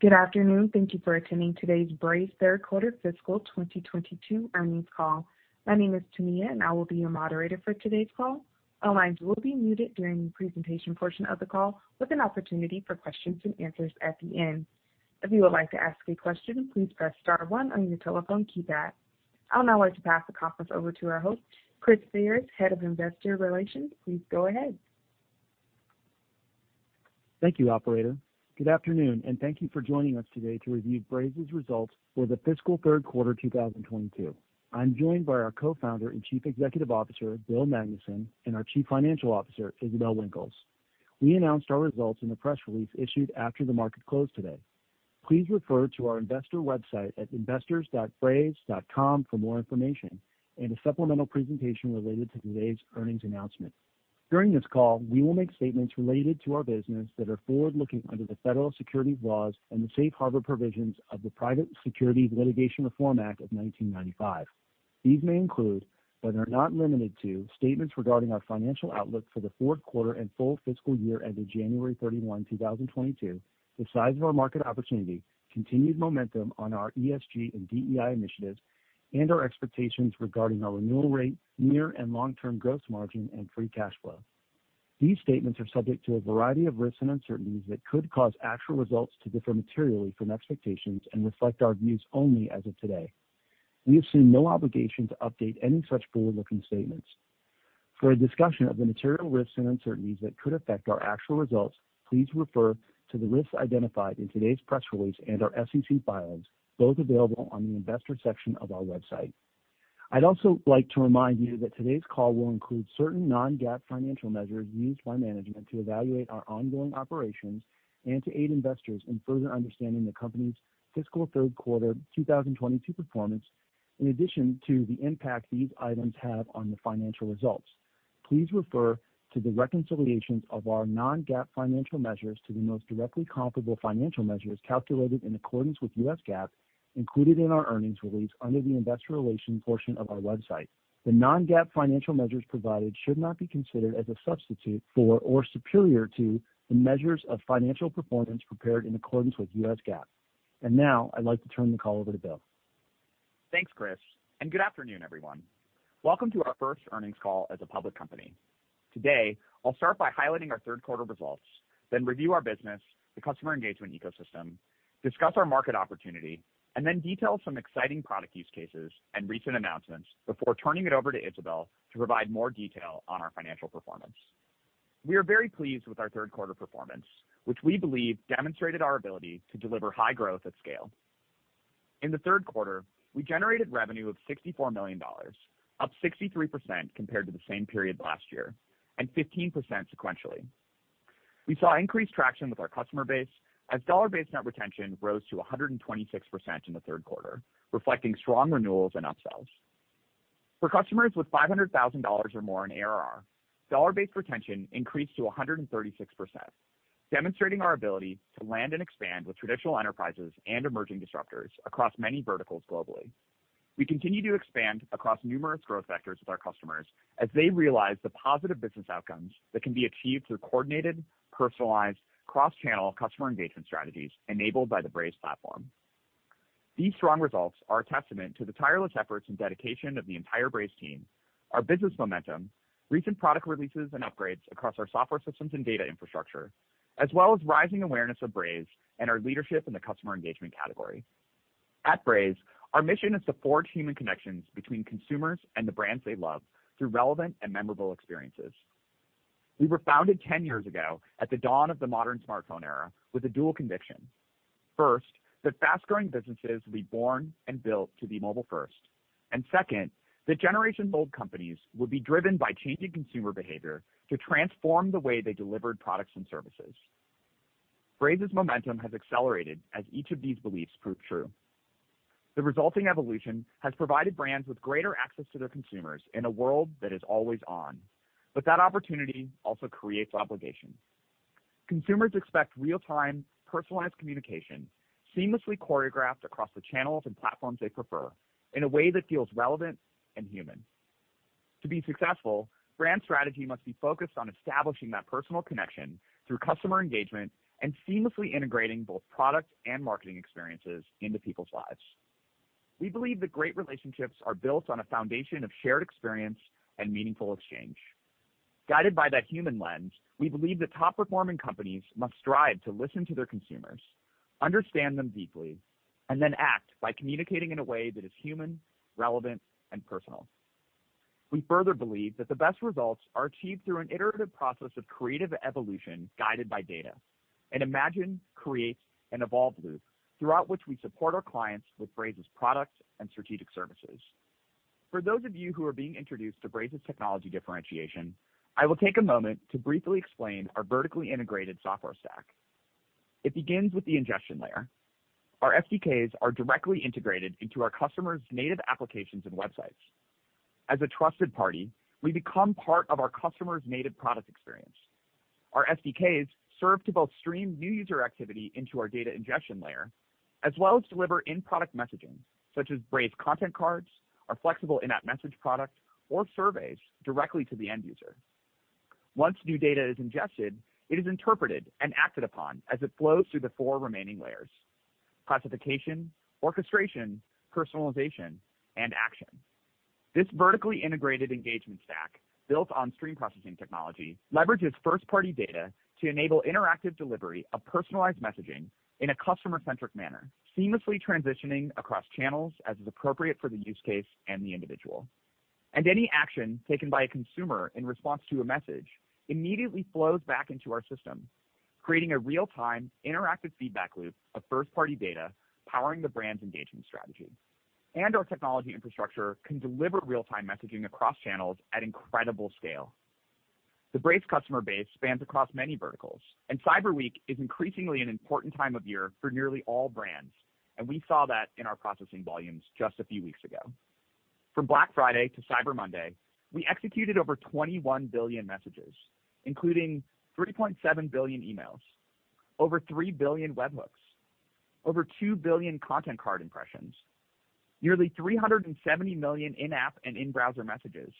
Good afternoon. Thank you for attending today's Braze third quarter fiscal 2022 earnings call. My name is Tamia, and I will be your moderator for today's call. All lines will be muted during the presentation portion of the call with an opportunity for questions and answers at the end. If you would like to ask a question, please press star one on your telephone keypad. I'll now like to pass the conference over to our host, Christopher Ferris, Head of Investor Relations. Please go ahead. Thank you, operator. Good afternoon, and thank you for joining us today to review Braze's results for the fiscal third quarter 2022. I'm joined by our Co-Founder and Chief Executive Officer, Bill Magnuson, and our Chief Financial Officer, Isabelle Winkles. We announced our results in a press release issued after the market closed today. Please refer to our investor website at investors.braze.com for more information and a supplemental presentation related to today's earnings announcement. During this call, we will make statements related to our business that are forward-looking under the federal securities laws and the safe harbor provisions of the Private Securities Litigation Reform Act of 1995. These may include, but are not limited to, statements regarding our financial outlook for the fourth quarter and full fiscal year ended January 31, 2022, the size of our market opportunity, continued momentum on our ESG and DEI initiatives, and our expectations regarding our renewal rate, near- and long-term gross margin and free cash flow. These statements are subject to a variety of risks and uncertainties that could cause actual results to differ materially from expectations and reflect our views only as of today. We assume no obligation to update any such forward-looking statements. For a discussion of the material risks and uncertainties that could affect our actual results, please refer to the risks identified in today's press release and our SEC filings, both available on the investor section of our website. I'd also like to remind you that today's call will include certain non-GAAP financial measures used by management to evaluate our ongoing operations and to aid investors in further understanding the company's fiscal third quarter 2022 performance, in addition to the impact these items have on the financial results. Please refer to the reconciliations of our non-GAAP financial measures to the most directly comparable financial measures calculated in accordance with U.S. GAAP included in our earnings release under the investor relations portion of our website. The non-GAAP financial measures provided should not be considered as a substitute for or superior to the measures of financial performance prepared in accordance with U.S. GAAP. Now I'd like to turn the call over to Bill. Thanks, Chris, and good afternoon, everyone. Welcome to our first earnings call as a public company. Today, I'll start by highlighting our third quarter results, then review our business, the customer engagement ecosystem, discuss our market opportunity, and then detail some exciting product use cases and recent announcements before turning it over to Isabelle Winkels to provide more detail on our financial performance. We are very pleased with our third quarter performance, which we believe demonstrated our ability to deliver high growth at scale. In the third quarter, we generated revenue of $64 million, up 63% compared to the same period last year and 15% sequentially. We saw increased traction with our customer base as dollar-based net retention rose to 126% in the third quarter, reflecting strong renewals and upsells. For customers with $500,000 or more in ARR, dollar-based retention increased to 136%, demonstrating our ability to land and expand with traditional enterprises and emerging disruptors across many verticals globally. We continue to expand across numerous growth vectors with our customers as they realize the positive business outcomes that can be achieved through coordinated, personalized, cross-channel customer engagement strategies enabled by the Braze platform. These strong results are a testament to the tireless efforts and dedication of the entire Braze team, our business momentum, recent product releases and upgrades across our software systems and data infrastructure, as well as rising awareness of Braze and our leadership in the customer engagement category. At Braze, our mission is to forge human connections between consumers and the brands they love through relevant and memorable experiences. We were founded 10 years ago at the dawn of the modern smartphone era with a dual conviction. First, that fast-growing businesses will be born and built to be mobile first. Second, that generation-old companies would be driven by changing consumer behavior to transform the way they delivered products and services. Braze's momentum has accelerated as each of these beliefs proved true. The resulting evolution has provided brands with greater access to their consumers in a world that is always on, but that opportunity also creates obligation. Consumers expect real-time, personalized communication seamlessly choreographed across the channels and platforms they prefer in a way that feels relevant and human. To be successful, brand strategy must be focused on establishing that personal connection through customer engagement and seamlessly integrating both product and marketing experiences into people's lives. We believe that great relationships are built on a foundation of shared experience and meaningful exchange. Guided by that human lens, we believe that top-performing companies must strive to listen to their consumers, understand them deeply, and then act by communicating in a way that is human, relevant, and personal. We further believe that the best results are achieved through an iterative process of creative evolution guided by data, an imagine, create, and evolve loop throughout which we support our clients with Braze's products and strategic services. For those of you who are being introduced to Braze's technology differentiation, I will take a moment to briefly explain our vertically integrated software stack. It begins with the ingestion layer. Our SDKs are directly integrated into our customers' native applications and websites. As a trusted party, we become part of our customers' native product experience. Our SDKs serve to both stream new user activity into our data ingestion layer, as well as deliver in-product messaging, such as Braze Content Cards, our flexible in-app message product or surveys directly to the end user. Once new data is ingested, it is interpreted and acted upon as it flows through the four remaining layers, classification, orchestration, personalization, and action. This vertically integrated engagement stack, built on stream processing technology, leverages first-party data to enable interactive delivery of personalized messaging in a customer-centric manner, seamlessly transitioning across channels as is appropriate for the use case and the individual. Any action taken by a consumer in response to a message immediately flows back into our system, creating a real-time interactive feedback loop of first-party data powering the brand's engagement strategy. Our technology infrastructure can deliver real-time messaging across channels at incredible scale. The Braze customer base spans across many verticals, and Cyber Week is increasingly an important time of year for nearly all brands, and we saw that in our processing volumes just a few weeks ago. From Black Friday to Cyber Monday, we executed over 21 billion messages, including 3.7 billion emails, over 3 billion webhooks, over 2 billion content card impressions, nearly 370 million in-app and in-browser messages,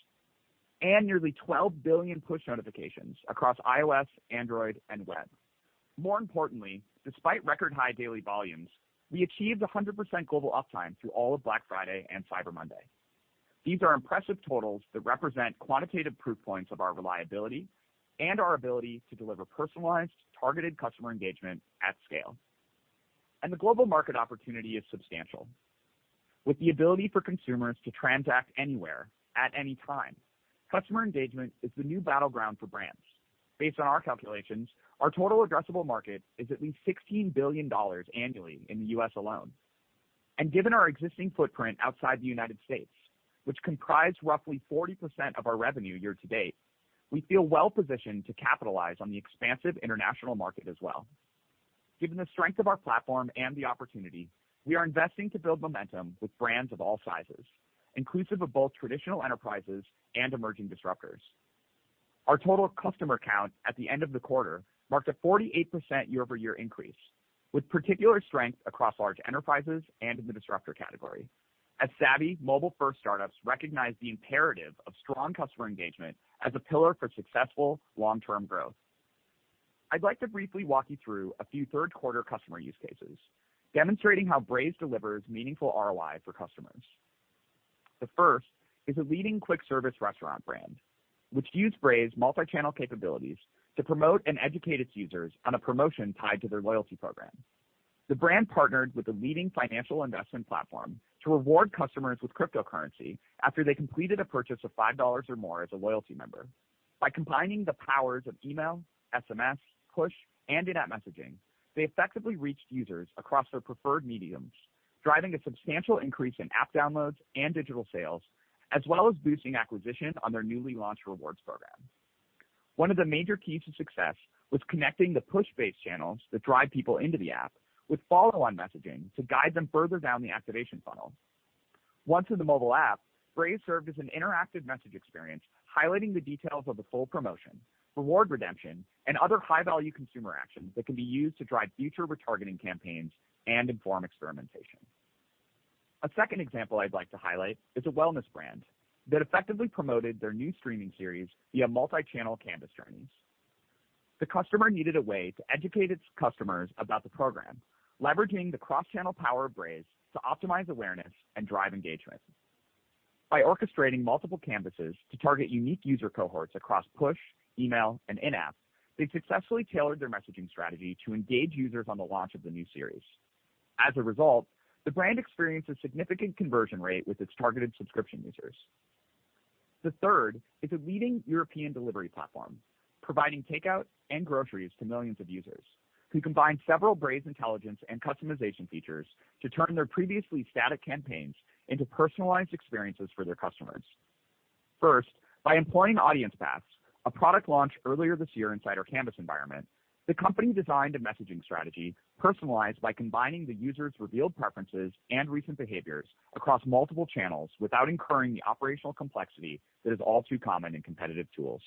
and nearly 12 billion push notifications across iOS, Android, and web. More importantly, despite record high daily volumes, we achieved 100% global uptime through all of Black Friday and Cyber Monday. These are impressive totals that represent quantitative proof points of our reliability and our ability to deliver personalized, targeted customer engagement at scale. The global market opportunity is substantial. With the ability for consumers to transact anywhere at any time, customer engagement is the new battleground for brands. Based on our calculations, our total addressable market is at least $16 billion annually in the U.S. alone. Given our existing footprint outside the United States, which comprise roughly 40% of our revenue year to date, we feel well positioned to capitalize on the expansive international market as well. Given the strength of our platform and the opportunity, we are investing to build momentum with brands of all sizes, inclusive of both traditional enterprises and emerging disruptors. Our total customer count at the end of the quarter marked a 48% year-over-year increase, with particular strength across large enterprises and in the disruptor category as savvy mobile-first startups recognize the imperative of strong customer engagement as a pillar for successful long-term growth. I'd like to briefly walk you through a few third quarter customer use cases demonstrating how Braze delivers meaningful ROI for customers. The first is a leading quick service restaurant brand, which used Braze multi-channel capabilities to promote and educate its users on a promotion tied to their loyalty program. The brand partnered with a leading financial investment platform to reward customers with cryptocurrency after they completed a purchase of $5 or more as a loyalty member. By combining the powers of email, SMS, push, and in-app messaging, they effectively reached users across their preferred mediums, driving a substantial increase in app downloads and digital sales, as well as boosting acquisition on their newly launched rewards program. One of the major keys to success was connecting the push-based channels that drive people into the app with follow-on messaging to guide them further down the activation funnel. Once in the mobile app, Braze served as an interactive message experience, highlighting the details of the full promotion, reward redemption, and other high-value consumer actions that can be used to drive future retargeting campaigns and inform experimentation. A second example I'd like to highlight is a wellness brand that effectively promoted their new streaming series via multi-channel Canvas journeys. The customer needed a way to educate its customers about the program, leveraging the cross-channel power of Braze to optimize awareness and drive engagement. By orchestrating multiple Canvases to target unique user cohorts across push, email, and in-app, they successfully tailored their messaging strategy to engage users on the launch of the new series. As a result, the brand experienced a significant conversion rate with its targeted subscription users. The third is a leading European delivery platform providing takeout and groceries to millions of users who combined several Braze Intelligence and customization features to turn their previously static campaigns into personalized experiences for their customers. First, by employing Audience Paths, a product launched earlier this year inside our Canvas environment, the company designed a messaging strategy personalized by combining the user's revealed preferences and recent behaviors across multiple channels without incurring the operational complexity that is all too common in competitive tools.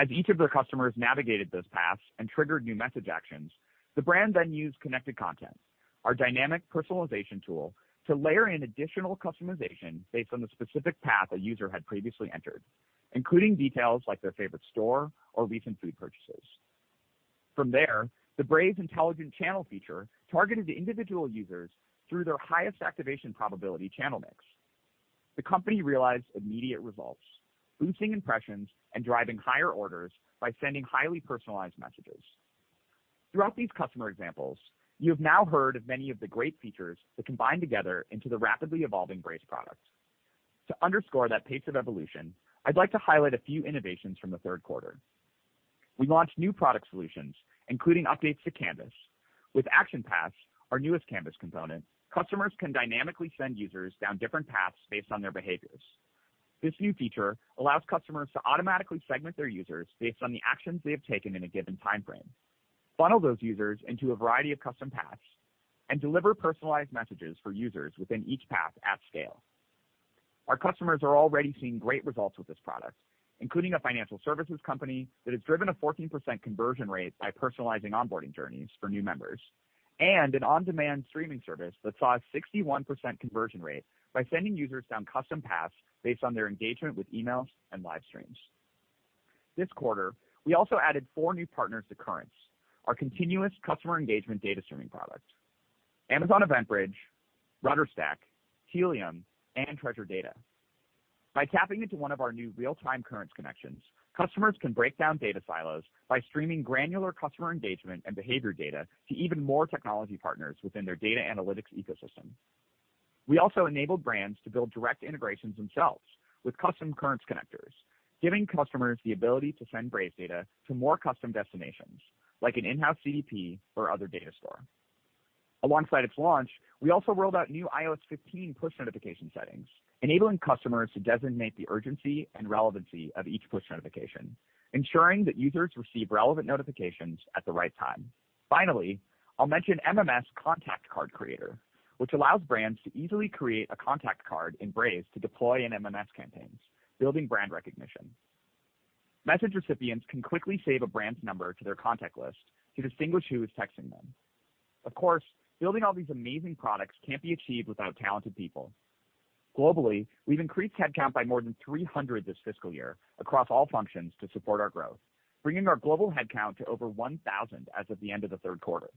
As each of their customers navigated those paths and triggered new message actions, the brand then used Connected Content, our dynamic personalization tool, to layer in additional customization based on the specific path a user had previously entered, including details like their favorite store or recent food purchases. From there, the Braze Intelligent Channel feature targeted individual users through their highest activation probability channel mix. The company realized immediate results, boosting impressions and driving higher orders by sending highly personalized messages. Throughout these customer examples, you have now heard of many of the great features that combine together into the rapidly evolving Braze product. To underscore that pace of evolution, I'd like to highlight a few innovations from the third quarter. We launched new product solutions, including updates to Canvas. With Action Paths, our newest Canvas component, customers can dynamically send users down different paths based on their behaviors. This new feature allows customers to automatically segment their users based on the actions they have taken in a given timeframe, funnel those users into a variety of custom paths, and deliver personalized messages for users within each path at scale. Our customers are already seeing great results with this product, including a financial services company that has driven a 14% conversion rate by personalizing onboarding journeys for new members. An on-demand streaming service that saw a 61% conversion rate by sending users down custom paths based on their engagement with emails and live streams. This quarter, we also added four new partners to Currents, our continuous customer engagement data streaming product. Amazon EventBridge, RudderStack, Heap and Treasure Data. By tapping into one of our new real-time Currents connections, customers can break down data silos by streaming granular customer engagement and behavior data to even more technology partners within their data analytics ecosystem. We also enabled brands to build direct integrations themselves with custom Currents connectors, giving customers the ability to send Braze data to more custom destinations like an in-house CDP or other data store. Alongside its launch, we also rolled out new iOS 15 push notification settings, enabling customers to designate the urgency and relevancy of each push notification, ensuring that users receive relevant notifications at the right time. Finally, I'll mention MMS Contact Card Generator, which allows brands to easily create a contact card in Braze to deploy in MMS campaigns, building brand recognition. Message recipients can quickly save a brand's number to their contact list to distinguish who is texting them. Of course, building all these amazing products can't be achieved without talented people. Globally, we've increased headcount by more than 300 this fiscal year across all functions to support our growth, bringing our global headcount to over 1,000 as of the end of the third quarter.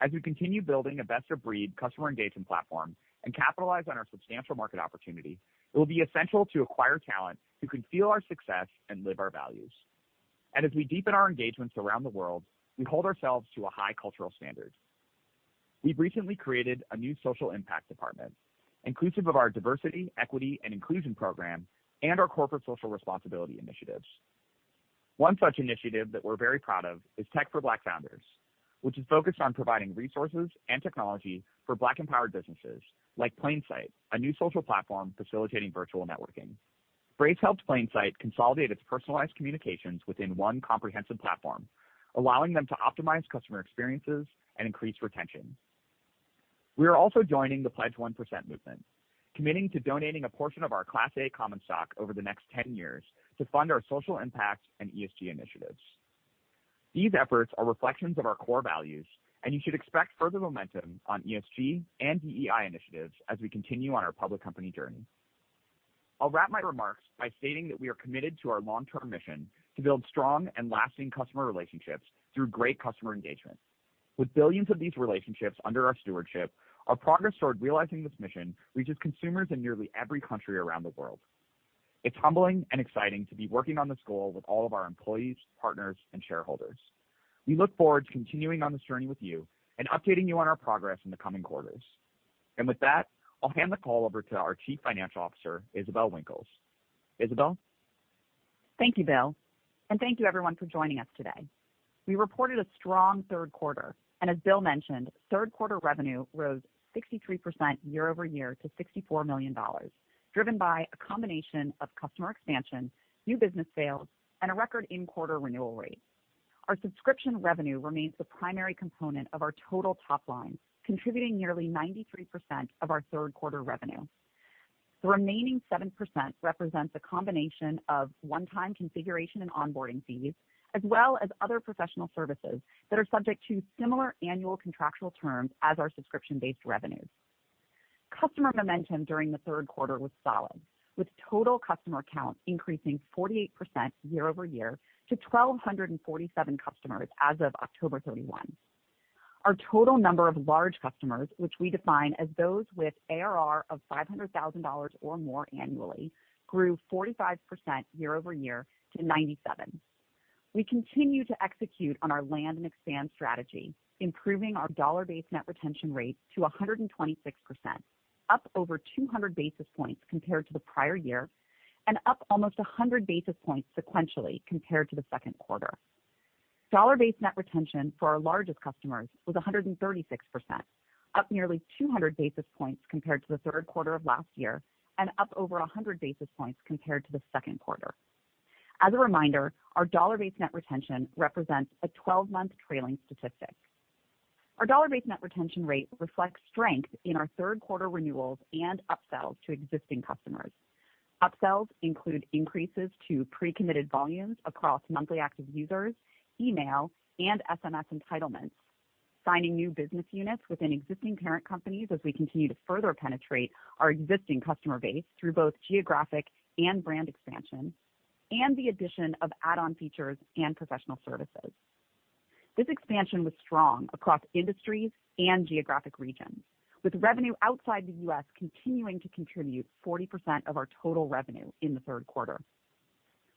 As we continue building a best of breed customer engagement platform and capitalize on our substantial market opportunity, it will be essential to acquire talent who can fuel our success and live our values. As we deepen our engagements around the world, we hold ourselves to a high cultural standard. We've recently created a new social impact department, inclusive of our Diversity, Equity and Inclusion program and our corporate social responsibility initiatives. One such initiative that we're very proud of is Tech for Black Founders, which is focused on providing resources and technology for Black-empowered businesses like Plain Sight, a new social platform facilitating virtual networking. Braze helps Plain Sight consolidate its personalized communications within one comprehensive platform, allowing them to optimize customer experiences and increase retention. We are also joining the Pledge 1% movement, committing to donating a portion of our Class A common stock over the next 10 years to fund our social impact and ESG initiatives. These efforts are reflections of our core values, and you should expect further momentum on ESG and DEI initiatives as we continue on our public company journey. I'll wrap my remarks by stating that we are committed to our long-term mission to build strong and lasting customer relationships through great customer engagement. With billions of these relationships under our stewardship, our progress toward realizing this mission reaches consumers in nearly every country around the world. It's humbling and exciting to be working on this goal with all of our employees, partners, and shareholders. We look forward to continuing on this journey with you and updating you on our progress in the coming quarters. With that, I'll hand the call over to our Chief Financial Officer, Isabelle Winkels. Isabelle. Thank you, Bill, and thank you everyone for joining us today. We reported a strong third quarter, and as Bill mentioned, third quarter revenue rose 63% year-over-year to $64 million, driven by a combination of customer expansion, new business sales, and a record in-quarter renewal rate. Our subscription revenue remains the primary component of our total top line, contributing nearly 93% of our third quarter revenue. The remaining 7% represents a combination of one-time configuration and onboarding fees, as well as other professional services that are subject to similar annual contractual terms as our subscription-based revenues. Customer momentum during the third quarter was solid, with total customer counts increasing 48% year-over-year to 1,247 customers as of October 31. Our total number of large customers, which we define as those with ARR of $500,000 or more annually, grew 45% year-over-year to 97. We continue to execute on our land and expand strategy, improving our dollar-based net retention rate to 126%, up over 200 basis points compared to the prior year and up almost 100 basis points sequentially compared to the second quarter. Dollar-based net retention for our largest customers was 136%, up nearly 200 basis points compared to the third quarter of last year and up over 100 basis points compared to the second quarter. As a reminder, our dollar-based net retention represents a 12-month trailing statistic. Our dollar-based net retention rate reflects strength in our third quarter renewals and upsells to existing customers. Upsells include increases to pre-committed volumes across monthly active users, email and SMS entitlements, signing new business units within existing parent companies as we continue to further penetrate our existing customer base through both geographic and brand expansion, and the addition of add-on features and professional services. This expansion was strong across industries and geographic regions, with revenue outside the U.S. continuing to contribute 40% of our total revenue in the third quarter.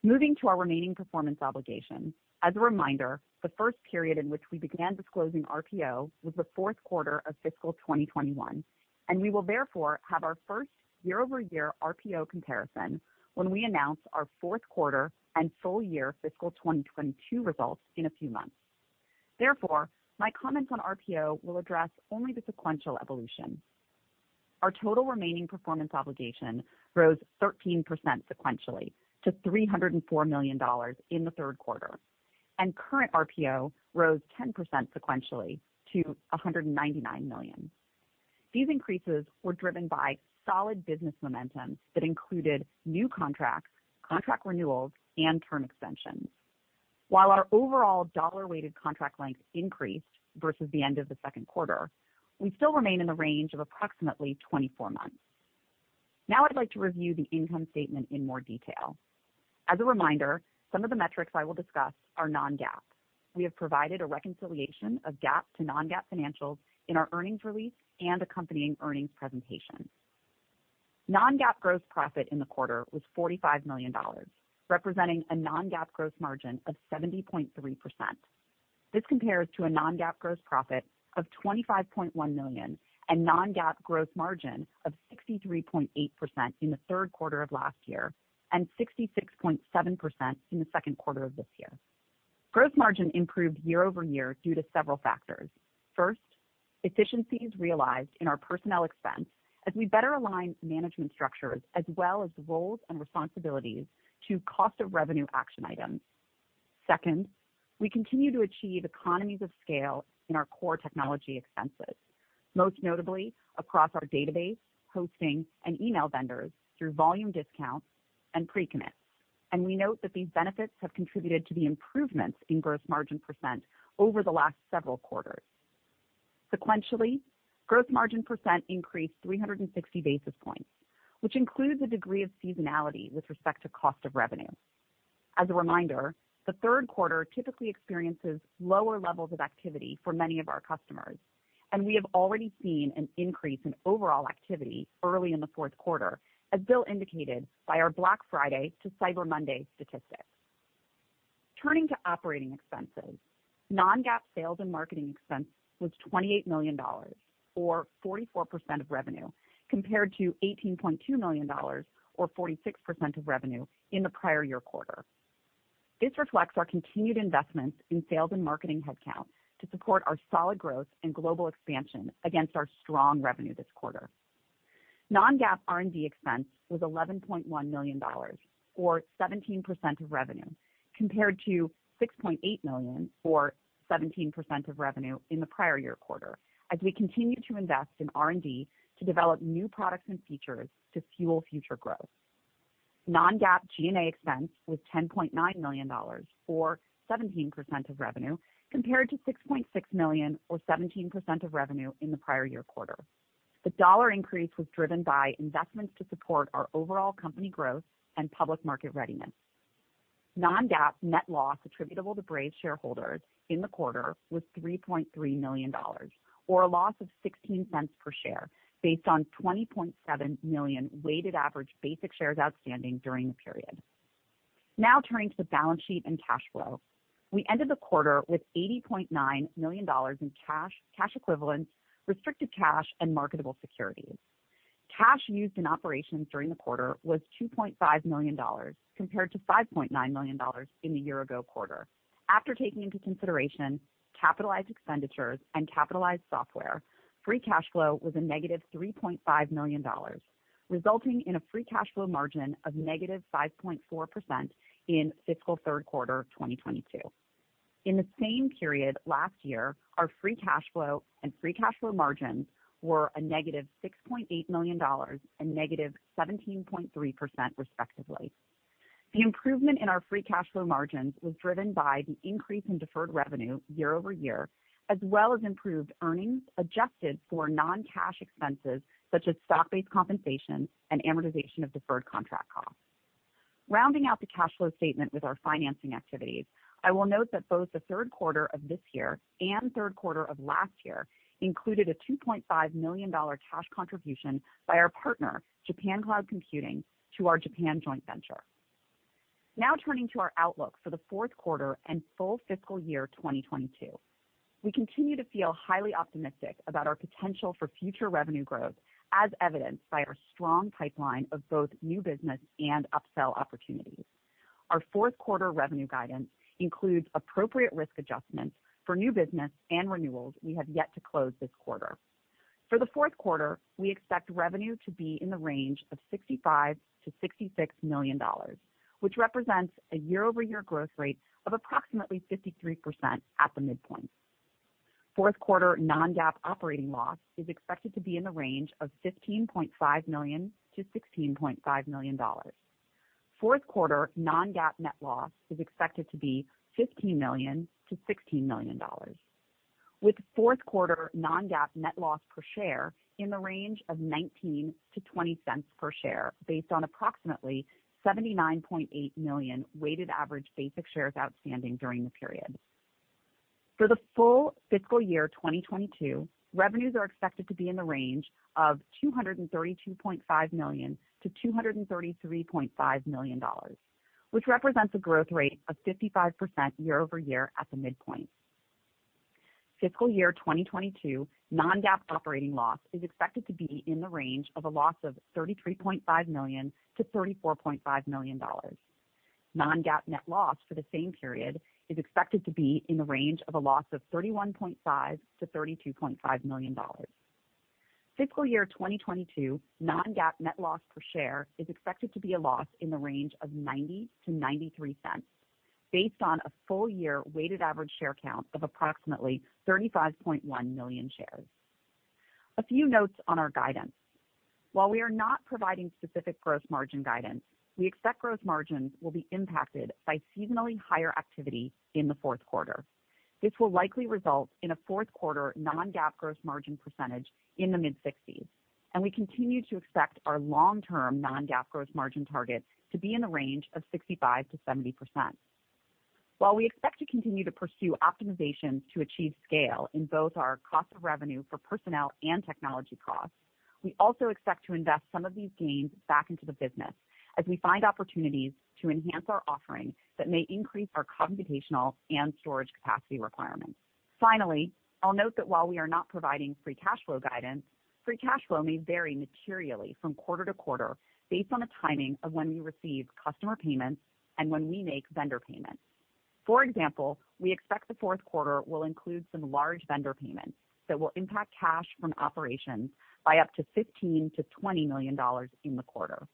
Moving to our remaining performance obligation. As a reminder, the first period in which we began disclosing RPO was the fourth quarter of fiscal 2021, and we will therefore have our first year-over-year RPO comparison when we announce our fourth quarter and full year fiscal 2022 results in a few months. Therefore, my comments on RPO will address only the sequential evolution. Our total remaining performance obligation rose 13% sequentially to $304 million in the third quarter, and current RPO rose 10% sequentially to $199 million. These increases were driven by solid business momentum that included new contracts, contract renewals and term extensions. While our overall dollar weighted contract length increased versus the end of the second quarter, we still remain in the range of approximately 24 months. Now I'd like to review the income statement in more detail. As a reminder, some of the metrics I will discuss are non-GAAP. We have provided a reconciliation of GAAP to non-GAAP financials in our earnings release and accompanying earnings presentation. Non-GAAP gross profit in the quarter was $45 million, representing a non-GAAP gross margin of 70.3%. This compares to a non-GAAP gross profit of $25.1 million and non-GAAP gross margin of 63.8% in the third quarter of last year and 66.7% in the second quarter of this year. Gross margin improved year-over-year due to several factors. First, efficiencies realized in our personnel expense as we better align management structures as well as roles and responsibilities to cost of revenue action items. Second, we continue to achieve economies of scale in our core technology expenses, most notably across our database, hosting and email vendors through volume discounts and pre-commits. We note that these benefits have contributed to the improvements in gross margin percent over the last several quarters. Sequentially, gross margin percent increased 360 basis points, which includes a degree of seasonality with respect to cost of revenue. As a reminder, the third quarter typically experiences lower levels of activity for many of our customers, and we have already seen an increase in overall activity early in the fourth quarter, as Bill indicated by our Black Friday to Cyber Monday statistics. Turning to operating expenses, non-GAAP sales and marketing expense was $28 million, or 44% of revenue, compared to $18.2 million or 46% of revenue in the prior year quarter. This reflects our continued investments in sales and marketing headcount to support our solid growth and global expansion against our strong revenue this quarter. Non-GAAP R&D expense was $11.1 million, or 17% of revenue, compared to $6.8 million or 17% of revenue in the prior year quarter as we continue to invest in R&D to develop new products and features to fuel future growth. Non-GAAP G&A expense was $10.9 million, or 17% of revenue, compared to $6.6 million or 17% of revenue in the prior year quarter. The dollar increase was driven by investments to support our overall company growth and public market readiness. Non-GAAP net loss attributable to Braze shareholders in the quarter was $3.3 million, or a loss of $0.16 per share based on 20.7 million weighted average basic shares outstanding during the period. Now turning to the balance sheet and cash flow. We ended the quarter with $80.9 million in cash equivalents, restricted cash and marketable securities. Cash used in operations during the quarter was $2.5 million, compared to $5.9 million in the year ago quarter. After taking into consideration capital expenditures and capitalized software, free cash flow was a negative $3.5 million, resulting in a free cash flow margin of -5.4% in fiscal third quarter of 2022. In the same period last year, our free cash flow and free cash flow margins were a negative $6.8 million and negative 17.3%, respectively. The improvement in our free cash flow margins was driven by the increase in deferred revenue year-over-year, as well as improved earnings adjusted for non-cash expenses such as stock-based compensation and amortization of deferred contract costs. Rounding out the cash flow statement with our financing activities, I will note that both the third quarter of this year and third quarter of last year included a $2.5 million cash contribution by our partner Japan Cloud to our Japan joint venture. Now turning to our outlook for the fourth quarter and full fiscal year 2022. We continue to feel highly optimistic about our potential for future revenue growth, as evidenced by our strong pipeline of both new business and upsell opportunities. Our fourth quarter revenue guidance includes appropriate risk adjustments for new business and renewals we have yet to close this quarter. For the fourth quarter, we expect revenue to be in the range of $65 million-$66 million, which represents a year-over-year growth rate of approximately 53% at the midpoint. Fourth quarter non-GAAP operating loss is expected to be in the range of $15.5 million-$16.5 million. Fourth quarter non-GAAP net loss is expected to be $15 million-$16 million, with fourth quarter non-GAAP net loss per share in the range of $0.19-$0.20 per share based on approximately 79.8 million weighted average basic shares outstanding during the period. For the full fiscal year 2022, revenues are expected to be in the range of $232.5 million-$233.5 million, which represents a growth rate of 55% year-over-year at the midpoint. Fiscal year 2022 non-GAAP operating loss is expected to be in the range of a loss of $33.5 million-$34.5 million. Non-GAAP net loss for the same period is expected to be in the range of a loss of $31.5 million-$32.5 million. Fiscal year 2022 non-GAAP net loss per share is expected to be a loss in the range of $0.90-$0.93. Based on a full year weighted average share count of approximately 35.1 million shares. A few notes on our guidance. While we are not providing specific gross margin guidance, we expect gross margins will be impacted by seasonally higher activity in the fourth quarter. This will likely result in a fourth quarter non-GAAP gross margin percentage in the mid-60s%, and we continue to expect our long-term non-GAAP gross margin targets to be in the range of 65%-70%. While we expect to continue to pursue optimizations to achieve scale in both our cost of revenue for personnel and technology costs, we also expect to invest some of these gains back into the business as we find opportunities to enhance our offering that may increase our computational and storage capacity requirements. Finally, I'll note that while we are not providing free cash flow guidance, free cash flow may vary materially from quarter to quarter based on the timing of when we receive customer payments and when we make vendor payments. For example, we expect the fourth quarter will include some large vendor payments that will impact cash from operations by up to $15 million-$20 million in the quarter.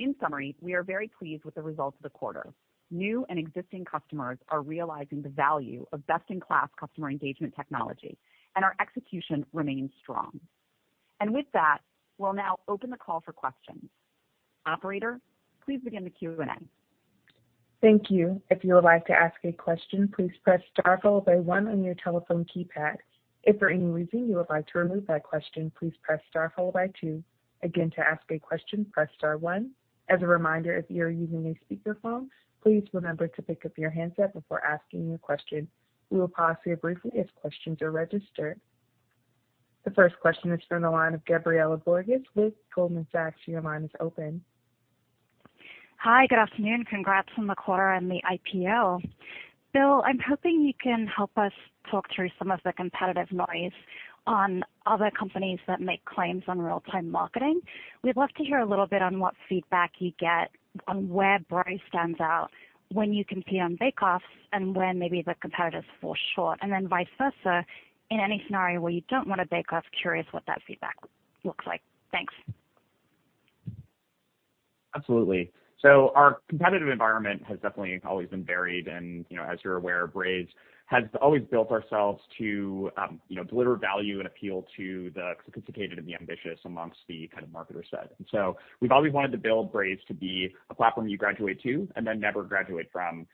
In summary, we are very pleased with the results of the quarter. New and existing customers are realizing the value of best-in-class customer engagement technology, and our execution remains strong. With that, we'll now open the call for questions. Operator, please begin the Q&A. Thank you. If you would like to ask a question, please press star followed by one on your telephone keypad. If for any reason you would like to remove that question, please press star followed by two. Again, to ask a question, press star one. As a reminder, if you are using a speakerphone, please remember to pick up your handset before asking your question. We will pause here briefly as questions are registered. The first question is from the line of Gabriela Borges with Goldman Sachs. Your line is open. Hi, good afternoon. Congrats on the quarter and the IPO. Bill, I'm hoping you can help us talk through some of the competitive noise on other companies that make claims on real-time marketing. We'd love to hear a little bit on what feedback you get on where Braze stands out, when you compete on bake-offs, and when maybe the competitors fall short. Vice versa, in any scenario where you don't want a bake-off, curious what that feedback looks like. Thanks. Absolutely. Our competitive environment has definitely always been varied. You know, as you're aware, Braze has always built ourselves to, you know, deliver value and appeal to the sophisticated and the ambitious amongst the kind of marketer set. We've always wanted to build Braze to be a platform you graduate to and then never graduate from.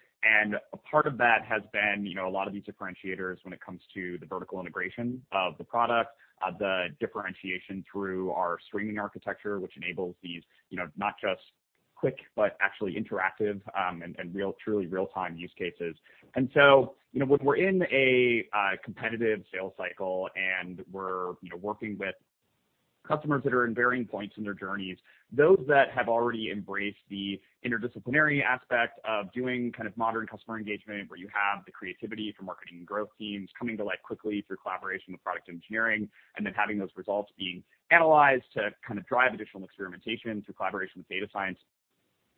A part of that has been, you know, a lot of these differentiators when it comes to the vertical integration of the product, the differentiation through our streaming architecture, which enables these, you know, not just quick, but actually interactive, and real, truly real-time use cases. You know, when we're in a competitive sales cycle and we're, you know, working with customers that are in varying points in their journeys, those that have already embraced the interdisciplinary aspect of doing kind of modern customer engagement, where you have the creativity from marketing and growth teams coming to life quickly through collaboration with product engineering, and then having those results being analyzed to kind of drive additional experimentation through collaboration with data science,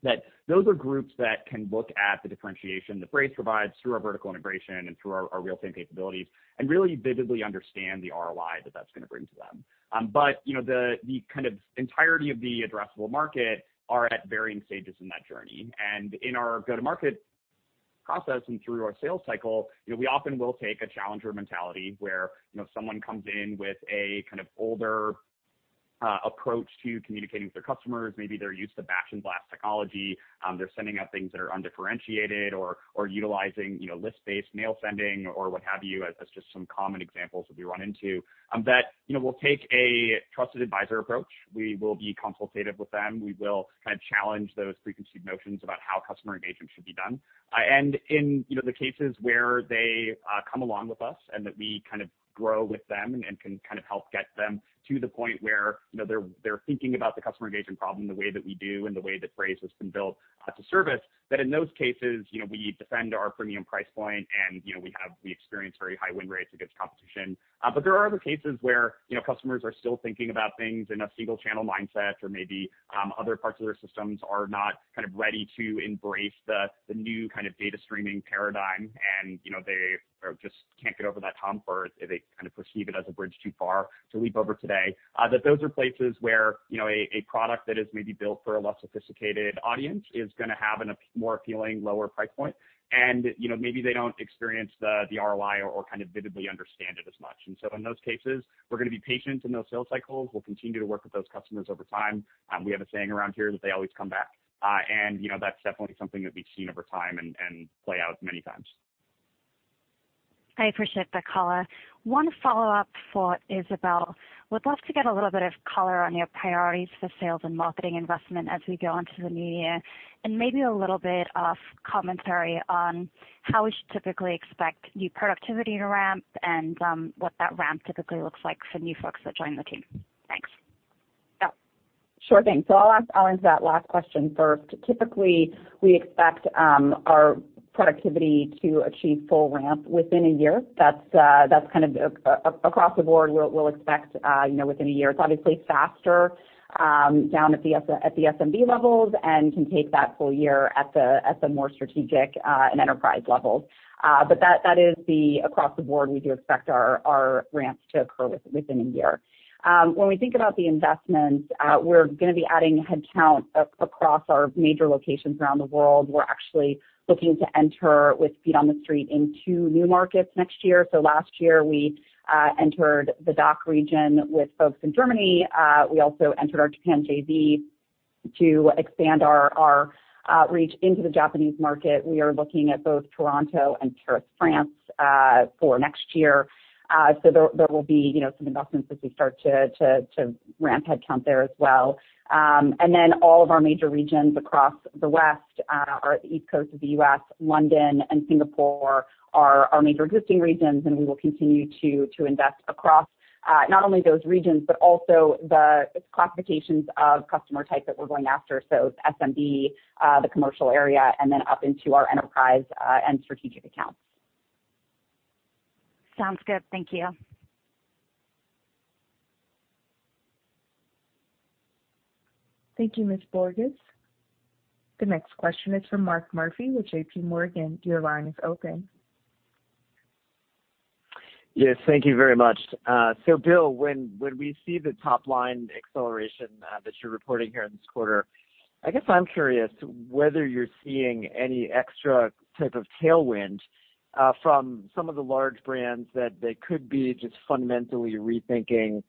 that those are groups that can look at the differentiation that Braze provides through our vertical integration and through our real-time capabilities and really vividly understand the ROI that that's gonna bring to them. But, you know, the entirety of the addressable market are at varying stages in that journey. In our go-to-market process and through our sales cycle, you know, we often will take a challenger mentality where, you know, someone comes in with a kind of older approach to communicating with their customers. Maybe they're used to batch and blast technology. They're sending out things that are undifferentiated or utilizing, you know, list-based mail sending or what have you, as just some common examples that we run into, that, you know, we'll take a trusted advisor approach. We will be consultative with them. We will kind of challenge those preconceived notions about how customer engagement should be done. In you know the cases where they come along with us and that we kind of grow with them and can kind of help get them to the point where you know they're thinking about the customer engagement problem the way that we do and the way that Braze has been built to service that in those cases you know we defend our premium price point. You know we experience very high win rates against competition. There are other cases where you know customers are still thinking about things in a single channel mindset or maybe other parts of their systems are not kind of ready to embrace the new kind of data streaming paradigm. You know, they just can't get over that hump, or they kind of perceive it as a bridge too far to leap over today. Those are places where, you know, a product that is maybe built for a less sophisticated audience is gonna have a more appealing lower price point. You know, maybe they don't experience the ROI or kind of vividly understand it as much. In those cases, we're gonna be patient in those sales cycles. We'll continue to work with those customers over time. We have a saying around here that they always come back. You know, that's definitely something that we've seen over time and play out many times. I appreciate that color. One follow-up for Isabelle. Would love to get a little bit of color on your priorities for sales and marketing investment as we go into the new year, and maybe a little bit of commentary on how we should typically expect new productivity to ramp and, what that ramp typically looks like for new folks that join the team. Thanks. Yeah. Sure thing. I'll answer that last question first. Typically, we expect our productivity to achieve full ramp within a year. That's kind of across the board, we'll expect you know, within a year. It's obviously faster down at the SMB levels and can take that full year at the more strategic and enterprise levels. But that is across the board, we do expect our ramps to occur within a year. When we think about the investments, we're gonna be adding headcount across our major locations around the world. We're actually looking to enter with feet on the street into new markets next year. Last year, we entered the DACH region with folks in Germany. We also entered our Japan JV to expand our reach into the Japanese market. We are looking at both Toronto and Paris, France, for next year. There will be, you know, some investments as we start to ramp headcount there as well. All of our major regions across the West, or the East Coast of the U.S., London and Singapore are our major existing regions, and we will continue to invest across, not only those regions, but also the classifications of customer type that we're going after. SMB, the commercial area, and then up into our enterprise, and strategic accounts. Sounds good. Thank you. Thank you, Ms. Borges. The next question is from Mark Murphy with JP Morgan. Your line is open. Yes, thank you very much. Bill, when we see the top line acceleration that you're reporting here in this quarter, I guess I'm curious whether you're seeing any extra type of tailwind from some of the large brands that they could be just fundamentally rethinking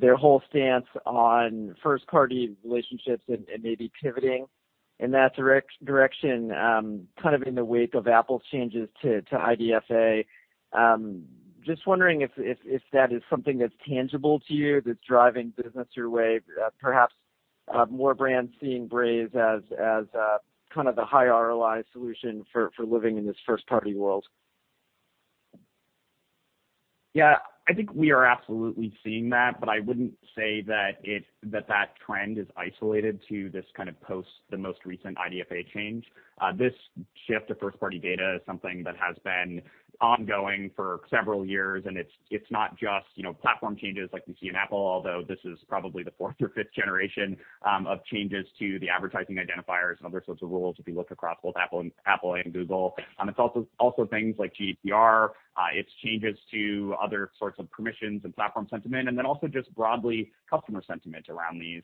their whole stance on first-party relationships and maybe pivoting in that direction, kind of in the wake of Apple's changes to IDFA. Just wondering if that is something that's tangible to you that's driving business your way, perhaps more brands seeing Braze as kind of the high ROI solution for living in this first-party world. Yeah. I think we are absolutely seeing that, but I wouldn't say that that trend is isolated to this kind of post, the most recent IDFA change. This shift to first-party data is something that has been ongoing for several years, and it's not just, you know, platform changes like we see in Apple, although this is probably the fourth or fifth generation of changes to the advertising identifiers and other sorts of rules if you look across both Apple and Google. It's also things like GDPR, it's changes to other sorts of permissions and platform sentiment, and then also just broadly customer sentiment around these.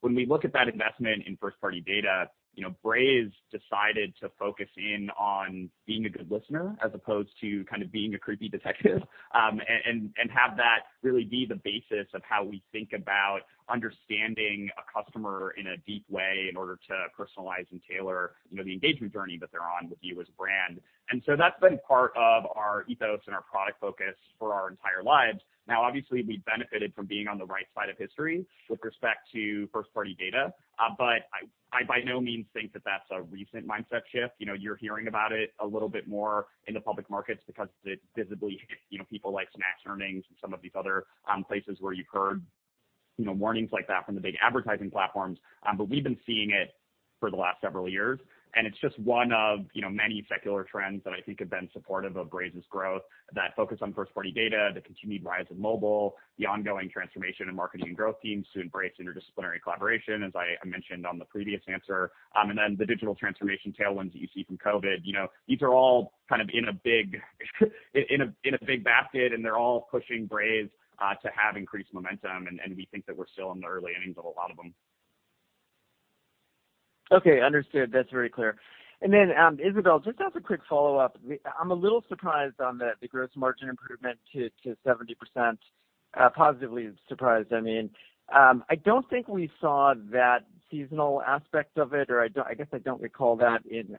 When we look at that investment in first-party data, you know, Braze decided to focus in on being a good listener as opposed to kind of being a creepy detective, and have that really be the basis of how we think about understanding a customer in a deep way in order to personalize and tailor, you know, the engagement journey that they're on with you as a brand. That's been part of our ethos and our product focus for our entire lives. Now, obviously, we benefited from being on the right side of history with respect to first-party data. But I by no means think that that's a recent mindset shift. You know, you're hearing about it a little bit more in the public markets because it visibly hit, you know, people like Snap's earnings and some of these other places where you've heard, you know, warnings like that from the big advertising platforms. We've been seeing it for the last several years, and it's just one of, you know, many secular trends that I think have been supportive of Braze's growth that focus on first-party data, the continued rise of mobile, the ongoing transformation in marketing and growth teams to embrace interdisciplinary collaboration, as I mentioned on the previous answer, and then the digital transformation tailwinds that you see from COVID. You know, these are all kind of in a big basket, and they're all pushing Braze to have increased momentum, and we think that we're still in the early innings of a lot of them. Okay, understood. That's very clear. Isabelle, just as a quick follow-up, I'm a little surprised on the gross margin improvement to 70%, positively surprised, I mean. I don't think we saw that seasonal aspect of it, or I guess I don't recall that in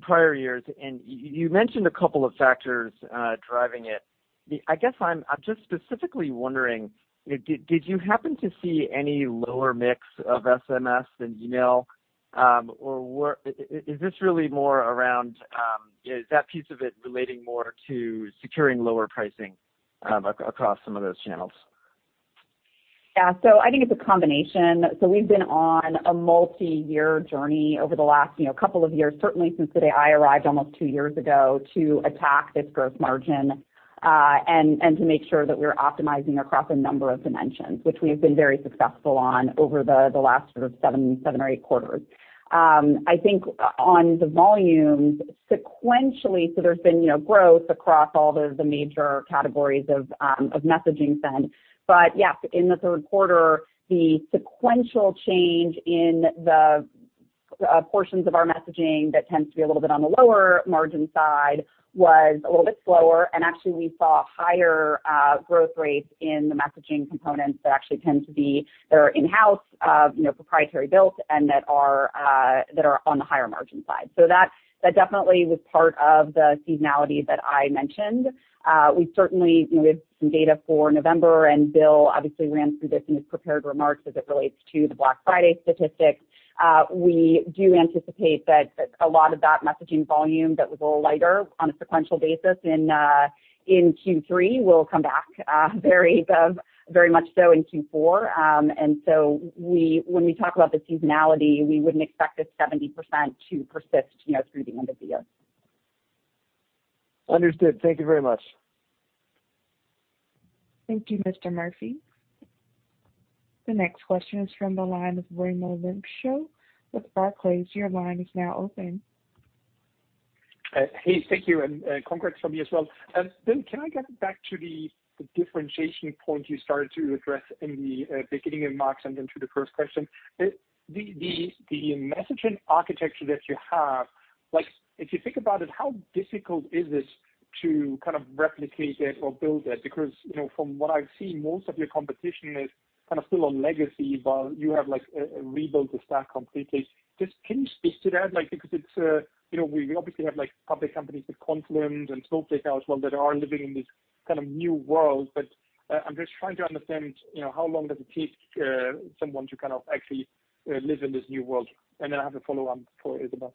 prior years. You mentioned a couple of factors driving it. I guess I'm just specifically wondering, did you happen to see any lower mix of SMS than email? Is this really more around. Is that piece of it relating more to securing lower pricing across some of those channels? Yeah. I think it's a combination. We've been on a multiyear journey over the last, you know, couple of years, certainly since the day I arrived almost two years ago, to attack this gross margin, and to make sure that we're optimizing across a number of dimensions, which we have been very successful on over the last sort of seven or eight quarters. I think on the volumes sequentially, so there's been, you know, growth across all the major categories of messaging send. Yes, in the third quarter, the sequential change in the portions of our messaging that tends to be a little bit on the lower margin side was a little bit slower. Actually, we saw higher growth rates in the messaging components that actually tend to be... They're in-house, proprietary built and that are on the higher margin side. That definitely was part of the seasonality that I mentioned. We certainly have some data for November, and Bill obviously ran through this in his prepared remarks as it relates to the Black Friday statistics. We do anticipate that a lot of that messaging volume that was a little lighter on a sequential basis in Q3 will come back very, very much so in Q4. When we talk about the seasonality, we wouldn't expect this 70% to persist, you know, through the end of the year. Understood. Thank you very much. Thank you, Mr. Murphy. The next question is from the line of Raimo Lenschow with Barclays. Your line is now open. Hey, thank you and congrats from me as well. Bill, can I get back to the differentiation point you started to address in the beginning of Mark's and then to the first question? The messaging architecture that you have, like if you think about it, how difficult is it to kind of replicate it or build it because, you know, from what I've seen, most of your competition is kind of still on legacy, while you have, like, rebuilt the stack completely. Just can you speak to that? Like, because it's, you know, we obviously have, like, public companies with Confluent and Snowflake as well that are living in this kind of new world. I'm just trying to understand, you know, how long does it take someone to kind of actually live in this new world? Then I have a follow-on for Isabelle.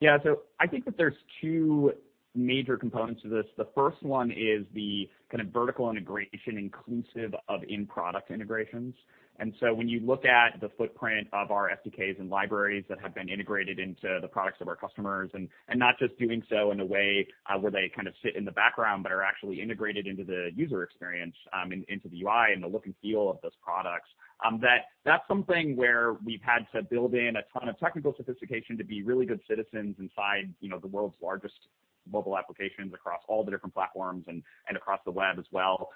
Yeah. I think that there's two major components to this. The first one is the kind of vertical integration inclusive of in-product integrations. When you look at the footprint of our SDKs and libraries that have been integrated into the products of our customers and not just doing so in a way where they kind of sit in the background, but are actually integrated into the user experience into the UI and the look and feel of those products, that that's something where we've had to build in a ton of technical sophistication to be really good citizens inside, you know, the world's largest mobile applications across all the different platforms and across the web as well.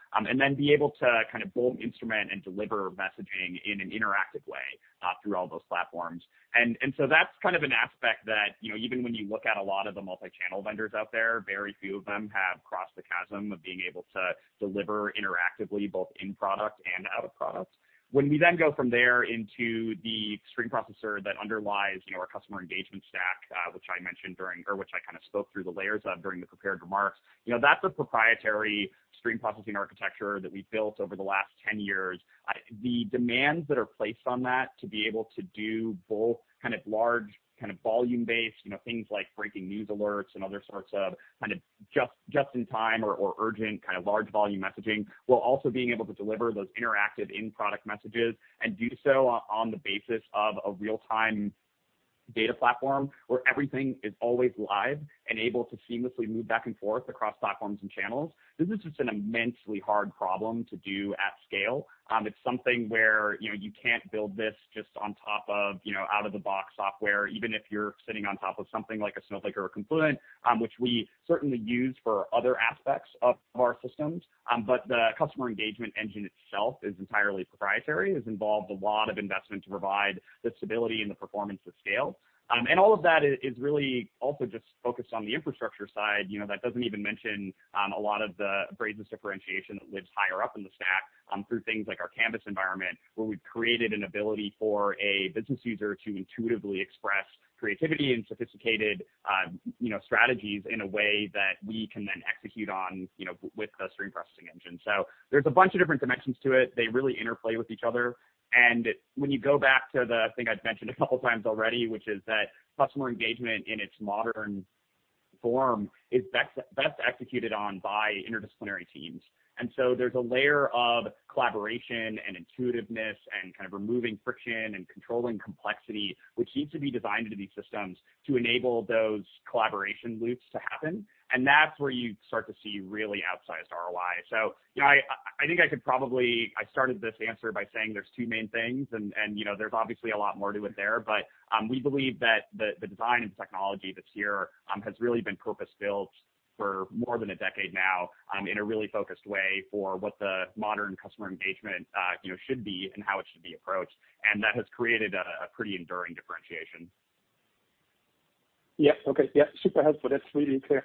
Then be able to kind of both instrument and deliver messaging in an interactive way through all those platforms. That's kind of an aspect that, you know, even when you look at a lot of the multi-channel vendors out there, very few of them have crossed the chasm of being able to deliver interactively, both in product and out of product. When we then go from there into the stream processor that underlies, you know, our customer engagement stack, which I mentioned during or which I kind of spoke through the layers of during the prepared remarks, you know, that's a proprietary stream processing architecture that we've built over the last 10 years. The demands that are placed on that to be able to do both kind of large, kind of volume-based, you know, things like breaking news alerts and other sorts of, kind of just in time or urgent kind of large volume messaging, while also being able to deliver those interactive in-product messages and do so on the basis of a real-time data platform where everything is always live and able to seamlessly move back and forth across platforms and channels. This is just an immensely hard problem to do at scale. It's something where, you know, you can't build this just on top of, you know, out-of-the-box software, even if you're sitting on top of something like a Snowflake or a Confluent, which we certainly use for other aspects of our systems. The customer engagement engine itself is entirely proprietary. It's involved a lot of investment to provide the stability and the performance of scale. And all of that is really also just focused on the infrastructure side. You know, that doesn't even mention a lot of the Braze's differentiation that lives higher up in the stack through things like our Canvas environment, where we've created an ability for a business user to intuitively express creativity and sophisticated, you know, strategies in a way that we can then execute on, you know, with the stream processing engine. So there's a bunch of different dimensions to it. They really interplay with each other. When you go back to the thing I've mentioned a couple times already, which is that customer engagement in its modern form is best executed on by interdisciplinary teams. There's a layer of collaboration and intuitiveness and kind of removing friction and controlling complexity, which needs to be designed into these systems to enable those collaboration loops to happen. That's where you start to see really outsized ROI. You know, I think I could probably. I started this answer by saying there's two main things and you know, there's obviously a lot more to it there. We believe that the design and technology that's here has really been purpose-built for more than a decade now in a really focused way for what the modern customer engagement you know should be and how it should be approached. That has created a pretty enduring differentiation. Yeah. Okay. Yeah. Super helpful. That's really clear.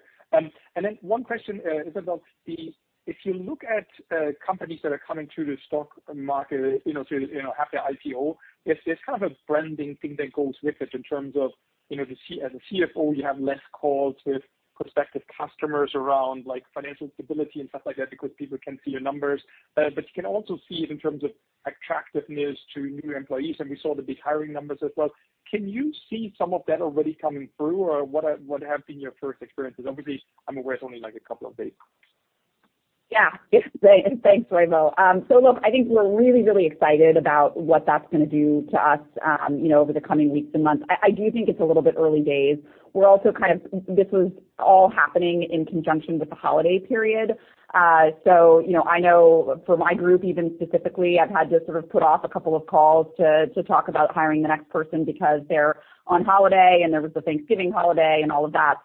One question, Isabelle, if you look at companies that are coming to the stock market, you know, to you know have their IPO, there's kind of a branding thing that goes with it in terms of, you know, as a CFO, you have less calls with prospective customers around, like financial stability and stuff like that because people can see your numbers. But you can also see it in terms of attractiveness to new employees, and we saw the big hiring numbers as well. Can you see some of that already coming through, or what have been your first experiences? Obviously, I'm aware it's only like a couple of days. Yeah. It's great. Thanks, Raimo. Look, I think we're really excited about what that's gonna do to us, you know, over the coming weeks and months. I do think it's a little bit early days. This was all happening in conjunction with the holiday period. You know, I know for my group even specifically, I've had to sort of put off a couple of calls to talk about hiring the next person because they're on holiday and there was the Thanksgiving holiday and all of that.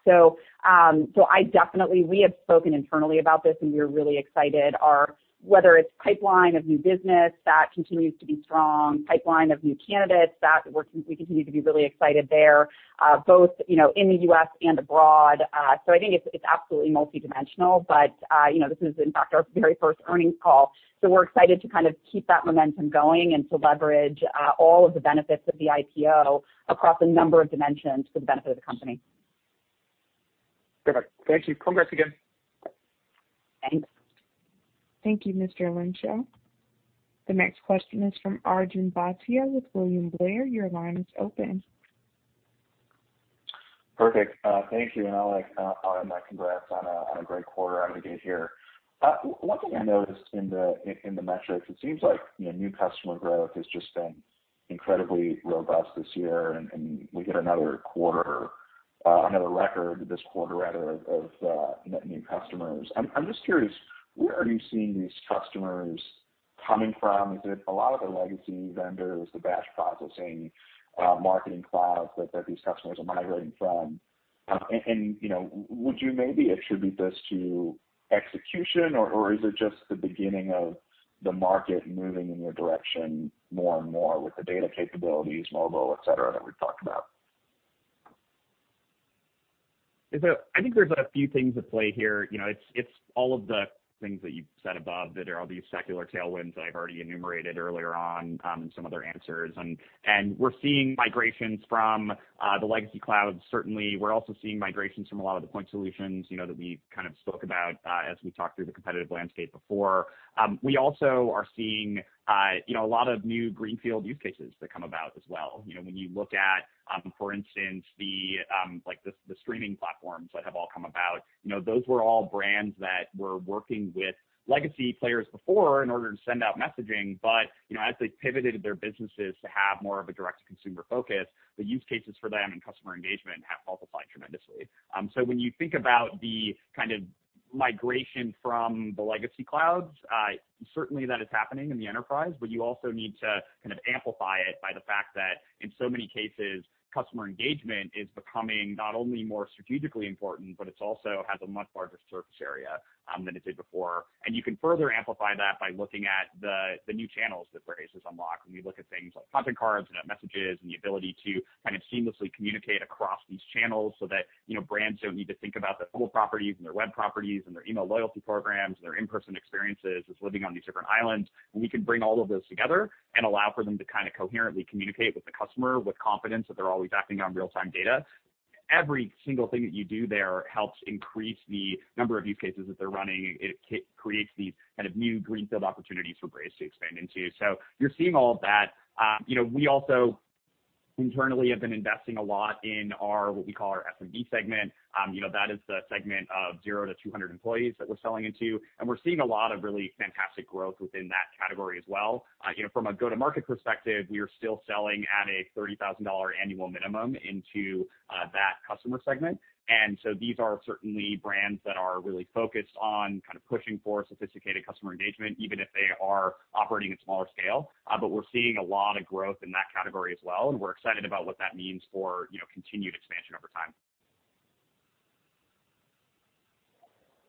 We have spoken internally about this, and we're really excited. Whether it's pipeline of new business, that continues to be strong. Pipeline of new candidates, that we continue to be really excited there, both, you know, in the U.S. and abroad. I think it's absolutely multidimensional. You know, this is in fact our very first earnings call. We're excited to kind of keep that momentum going and to leverage all of the benefits of the IPO across a number of dimensions for the benefit of the company. Perfect. Thank you. Congrats again. Thanks. Thank you, Mr. Lenschow. The next question is from Arjun Bhatia with William Blair. Your line is open. Perfect. Thank you. I'll add my congrats on a great quarter out of the gate here. One thing I noticed in the metrics, it seems like, you know, new customer growth has just been incredibly robust this year, and we get another record this quarter rather of net new customers. I'm just curious, where are you seeing these customers coming from? Is it a lot of the legacy vendors, the batch processing marketing clouds that these customers are migrating from? You know, would you maybe attribute this to execution, or is it just the beginning of the market moving in your direction more and more with the data capabilities, mobile, et cetera, that we've talked about. I think there's a few things at play here. You know, it's all of the things that you've said above that are all these secular tailwinds that I've already enumerated earlier on in some other answers. We're seeing migrations from the legacy clouds, certainly. We're also seeing migrations from a lot of the point solutions, you know, that we've kind of spoke about as we talked through the competitive landscape before. We also are seeing you know, a lot of new greenfield use cases that come about as well. You know, when you look at, for instance, like the streaming platforms that have all come about, you know, those were all brands that were working with legacy players before in order to send out messaging. You know, as they pivoted their businesses to have more of a direct-to-consumer focus, the use cases for them and customer engagement have multiplied tremendously. When you think about the kind of migration from the legacy clouds, certainly that is happening in the enterprise, but you also need to kind of amplify it by the fact that in so many cases, customer engagement is becoming not only more strategically important, but it's also has a much larger surface area than it did before. You can further amplify that by looking at the new channels that Braze has unlocked. When you look at things like content cards and messages, and the ability to kind of seamlessly communicate across these channels so that, you know, brands don't need to think about their mobile properties and their web properties and their email loyalty programs, their in-person experiences as living on these different islands. We can bring all of those together and allow for them to kind of coherently communicate with the customer with confidence that they're always acting on real-time data. Every single thing that you do there helps increase the number of use cases that they're running. It creates these kind of new greenfield opportunities for Braze to expand into. So you're seeing all of that. You know, we also internally have been investing a lot in our, what we call our SMB segment. You know, that is the segment of zero to 200 employees that we're selling into, and we're seeing a lot of really fantastic growth within that category as well. You know, from a go-to-market perspective, we are still selling at a $30,000 annual minimum into that customer segment. These are certainly brands that are really focused on kind of pushing for sophisticated customer engagement, even if they are operating at smaller scale. We're seeing a lot of growth in that category as well, and we're excited about what that means for you know, continued expansion over time.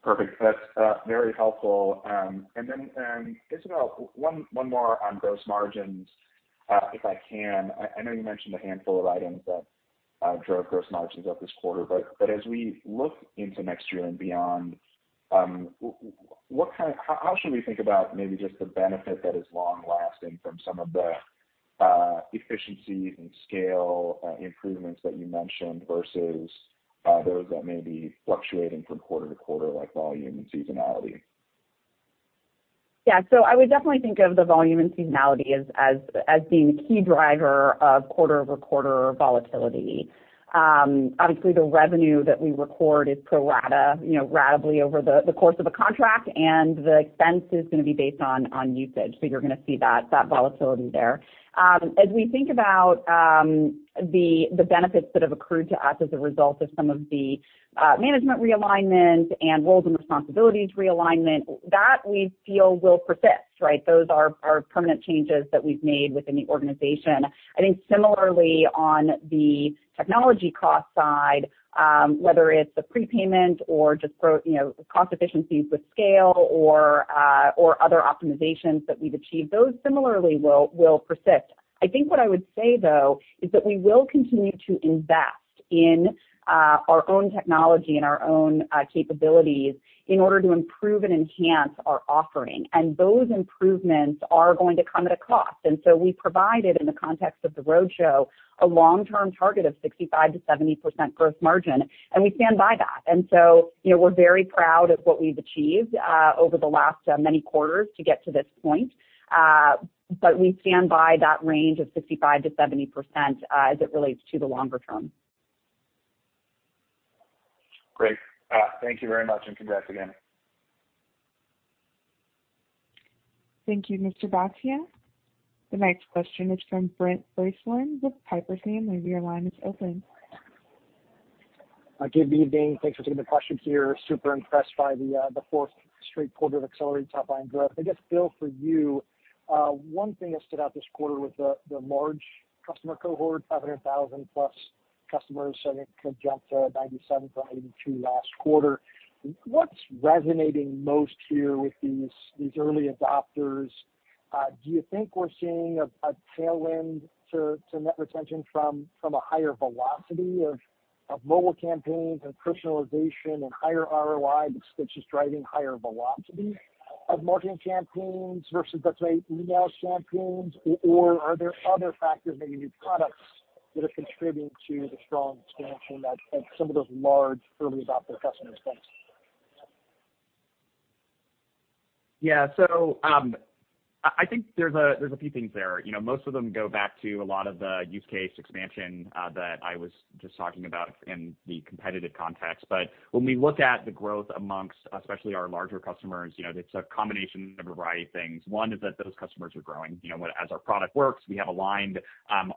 Perfect. That's very helpful. Isabelle, one more on gross margins, if I can. I know you mentioned a handful of items that drove gross margins up this quarter, but as we look into next year and beyond, how should we think about maybe just the benefit that is long-lasting from some of the efficiency and scale improvements that you mentioned versus those that may be fluctuating from quarter to quarter, like volume and seasonality? Yeah. I would definitely think of the volume and seasonality as being the key driver of quarter-over-quarter volatility. Obviously the revenue that we record is pro rata, you know, ratably over the course of a contract, and the expense is gonna be based on usage. You're gonna see that volatility there. As we think about the benefits that have accrued to us as a result of some of the management realignment and roles and responsibilities realignment, that we feel will persist, right? Those are permanent changes that we've made within the organization. I think similarly on the technology cost side, whether it's the prepayment or just you know, cost efficiencies with scale or other optimizations that we've achieved, those similarly will persist. I think what I would say though, is that we will continue to invest in our own technology and our own capabilities in order to improve and enhance our offering, and those improvements are going to come at a cost. We provided in the context of the roadshow, a long-term target of 65%-70% gross margin, and we stand by that. You know, we're very proud of what we've achieved over the last many quarters to get to this point. We stand by that range of 65%-70%, as it relates to the longer term. Great. Thank you very much and congrats again. Thank you, Mr. Bhatia. The next question is from Brent Bracelin with Piper Sandler. Your line is open. Good evening. Thanks for taking the question here. Super impressed by the fourth straight quarter of accelerated top line growth. I guess, Bill, for you, one thing that stood out this quarter with the large customer cohort, 500,000+ customers, and it jumped to 97 from 82 last quarter. What's resonating most here with these early adopters? Do you think we're seeing a tailwind to net retention from a higher velocity of mobile campaigns and personalization and higher ROI, which is driving higher velocity of marketing campaigns versus let's say email campaigns, or are there other factors, maybe new products that are contributing to the strong expansion that some of those large early adopter customers face? Yeah. I think there's a few things there. You know, most of them go back to a lot of the use case expansion that I was just talking about in the competitive context. When we look at the growth amongst especially our larger customers, you know, it's a combination of a variety of things. One is that those customers are growing. You know, as our product works, we have aligned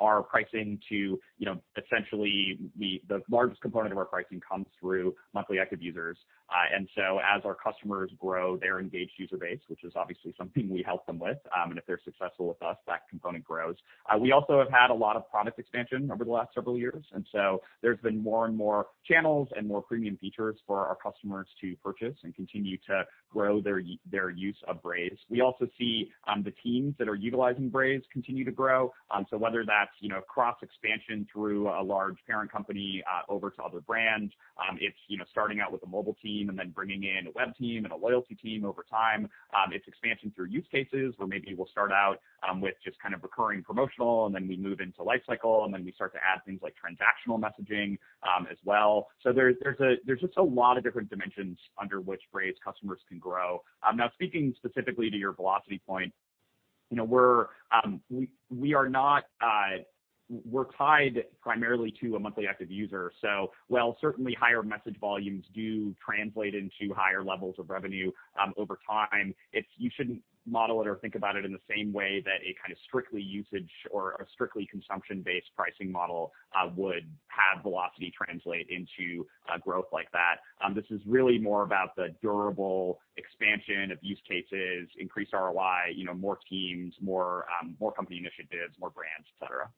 our pricing to, you know, essentially the largest component of our pricing comes through monthly active users. As our customers grow their engaged user base, which is obviously something we help them with, and if they're successful with us, that component grows. We also have had a lot of product expansion over the last several years, and so there's been more and more channels and more premium features for our customers to purchase and continue to grow their use of Braze. We also see the teams that are utilizing Braze continue to grow. Whether that's, you know, cross expansion through a large parent company over to other brands, it's, you know, starting out with a mobile team and then bringing in a web team and a loyalty team over time. It's expansion through use cases where maybe we'll start out with just kind of recurring promotional, and then we move into lifecycle, and then we start to add things like transactional messaging as well. There's just a lot of different dimensions under which Braze customers can grow. Now speaking specifically to your velocity point, you know, we are not. We're tied primarily to a monthly active user. While certainly higher message volumes do translate into higher levels of revenue, over time, it's, you shouldn't model it or think about it in the same way that a kind of strictly usage or a strictly consumption-based pricing model would have velocity translate into growth like that. This is really more about the durable expansion of use cases, increased ROI, you know, more teams, more company initiatives, more brands, et cetera.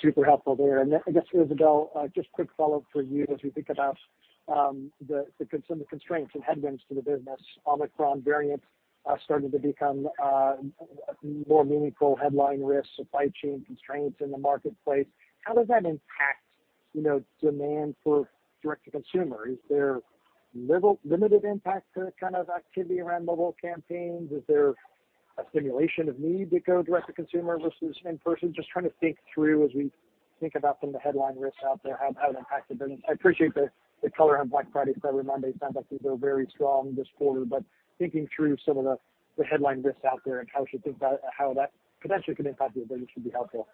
Super helpful there. I guess, Isabelle, just quick follow-up for you as we think about some of the constraints and headwinds to the business. Omicron variant starting to become more meaningful headline risks, supply chain constraints in the marketplace. How does that impact, you know, demand for direct to consumer? Is there limited impact to that kind of activity around mobile campaigns? Is there a stimulation of need to go direct to consumer versus in person? Just trying to think through as we think about some of the headline risks out there, how it impacts the business. I appreciate the color on Black Friday, Cyber Monday. Sounds like things are very strong this quarter, but thinking through some of the headline risks out there and how we should think about how that potentially could impact the business should be helpful.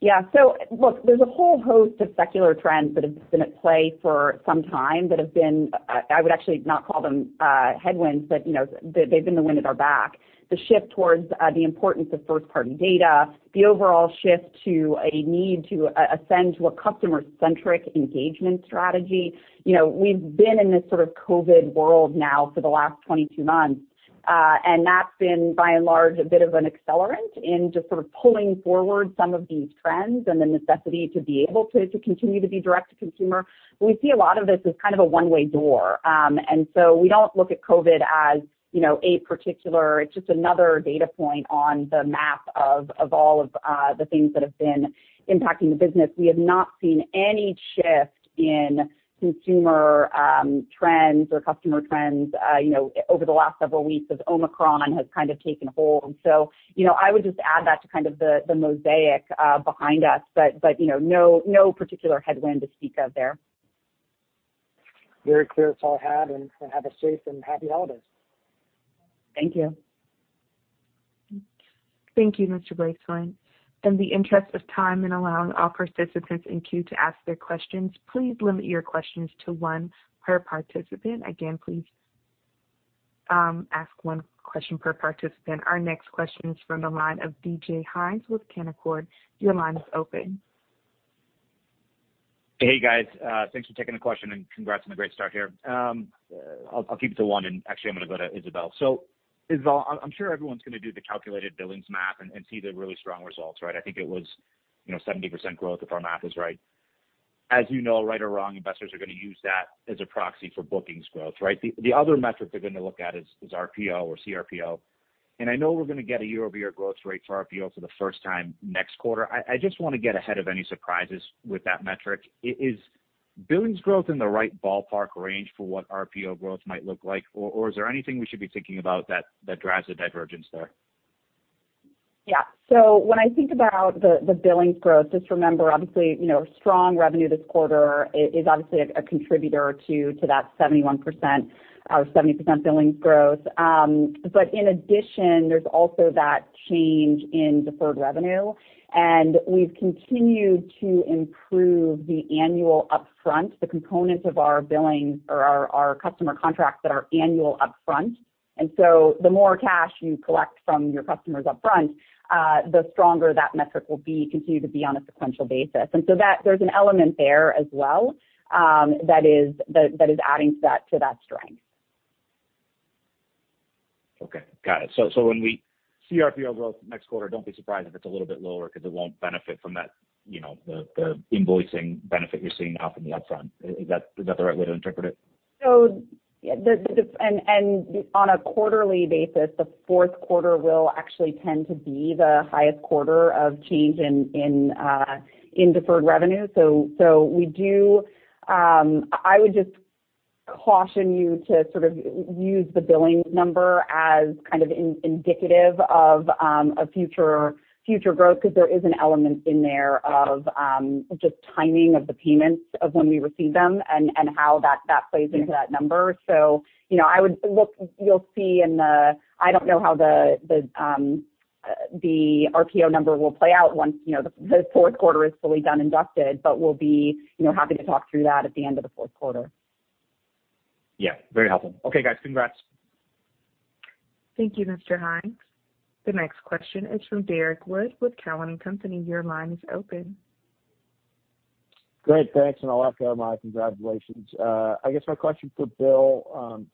Yeah. Look, there's a whole host of secular trends that have been at play for some time that have been. I would actually not call them headwinds, but, you know, they've been the wind at our back. The shift towards the importance of first-party data, the overall shift to a need to ascend to a customer-centric engagement strategy. You know, we've been in this sort of COVID world now for the last 22 months, and that's been by and large a bit of an accelerant in just sort of pulling forward some of these trends and the necessity to be able to continue to be direct to consumer. We see a lot of this as kind of a one-way door. We don't look at COVID as, you know, a particular. It's just another data point on the map of all of the things that have been impacting the business. We have not seen any shift in consumer trends or customer trends, you know, over the last several weeks as Omicron has kind of taken hold. You know, I would just add that to kind of the mosaic behind us. You know, no particular headwind to speak of there. Very clear. That's all I had. Have a safe and happy holidays. Thank you. Thank you, Mr. Bracelin. In the interest of time in allowing all participants in queue to ask their questions, please limit your questions to one per participant. Again, please, ask one question per participant. Our next question is from the line of DJ Hynes with Canaccord Genuity. Your line is open. Hey, guys. Thanks for taking the question and congrats on the great start here. I'll keep it to one, and actually I'm gonna go to Isabelle. Isabelle, I'm sure everyone's gonna do the calculated billings math and see the really strong results, right? I think it was, you know, 70% growth if our math is right. As you know, right or wrong, investors are gonna use that as a proxy for bookings growth, right? The other metric they're gonna look at is RPO or CRPO. I know we're gonna get a year-over-year growth rate for RPO for the first time next quarter. I just wanna get ahead of any surprises with that metric. Is billings growth in the right ballpark range for what RPO growth might look like, or is there anything we should be thinking about that drives the divergence there? Yeah. When I think about the billings growth, just remember obviously, you know, strong revenue this quarter is obviously a contributor to that 71%, 70% billings growth. In addition, there's also that change in deferred revenue, and we've continued to improve the annual upfront, the components of our billing or our customer contracts that are annual upfront. The more cash you collect from your customers upfront, the stronger that metric will be, continue to be on a sequential basis. There's an element there as well, that is adding to that strength. Okay. Got it. When we see RPO growth next quarter, don't be surprised if it's a little bit lower because it won't benefit from that, you know, the invoicing benefit you're seeing now from the upfront. Is that the right way to interpret it? On a quarterly basis, the fourth quarter will actually tend to be the highest quarter of change in deferred revenue. I would just caution you to sort of use the billing number as kind of indicative of a future growth because there is an element in there of just timing of the payments of when we receive them and how that plays into that number. You know, I don't know how the RPO number will play out once, you know, the fourth quarter is fully done and dusted, but we'll be, you know, happy to talk through that at the end of the fourth quarter. Yeah, very helpful. Okay, guys. Congrats. Thank you, Mr. Hynes. The next question is from Derrick Wood with Cowen and Company. Your line is open. Great. Thanks. I'll echo my congratulations. I guess my question for Bill.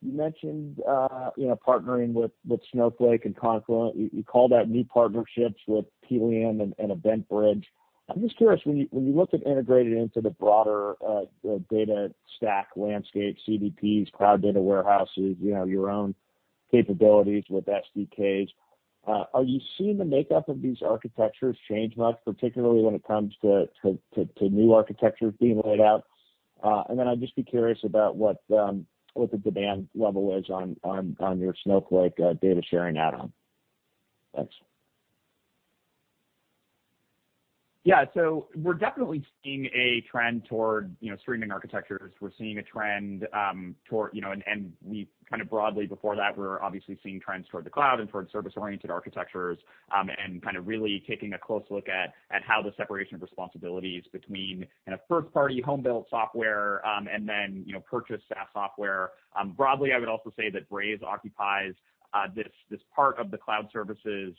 You mentioned partnering with Snowflake and Confluent. You called out new partnerships with Pelion and EventBridge. I'm just curious, when you look at integrating into the broader data stack landscape, CDPs, cloud data warehouses, your own capabilities with SDKs, are you seeing the makeup of these architectures change much, particularly when it comes to new architectures being laid out? I'd just be curious about what the demand level is on your Snowflake data sharing add-on. Thanks. Yeah. We're definitely seeing a trend toward, you know, streaming architectures. We're seeing a trend toward, you know, and we kind of broadly before that, we're obviously seeing trends toward the cloud and towards service-oriented architectures, and kind of really taking a close look at how the separation of responsibilities between in a first party home-built software, and then, you know, purchase SaaS software. Broadly, I would also say that Braze occupies this part of the cloud services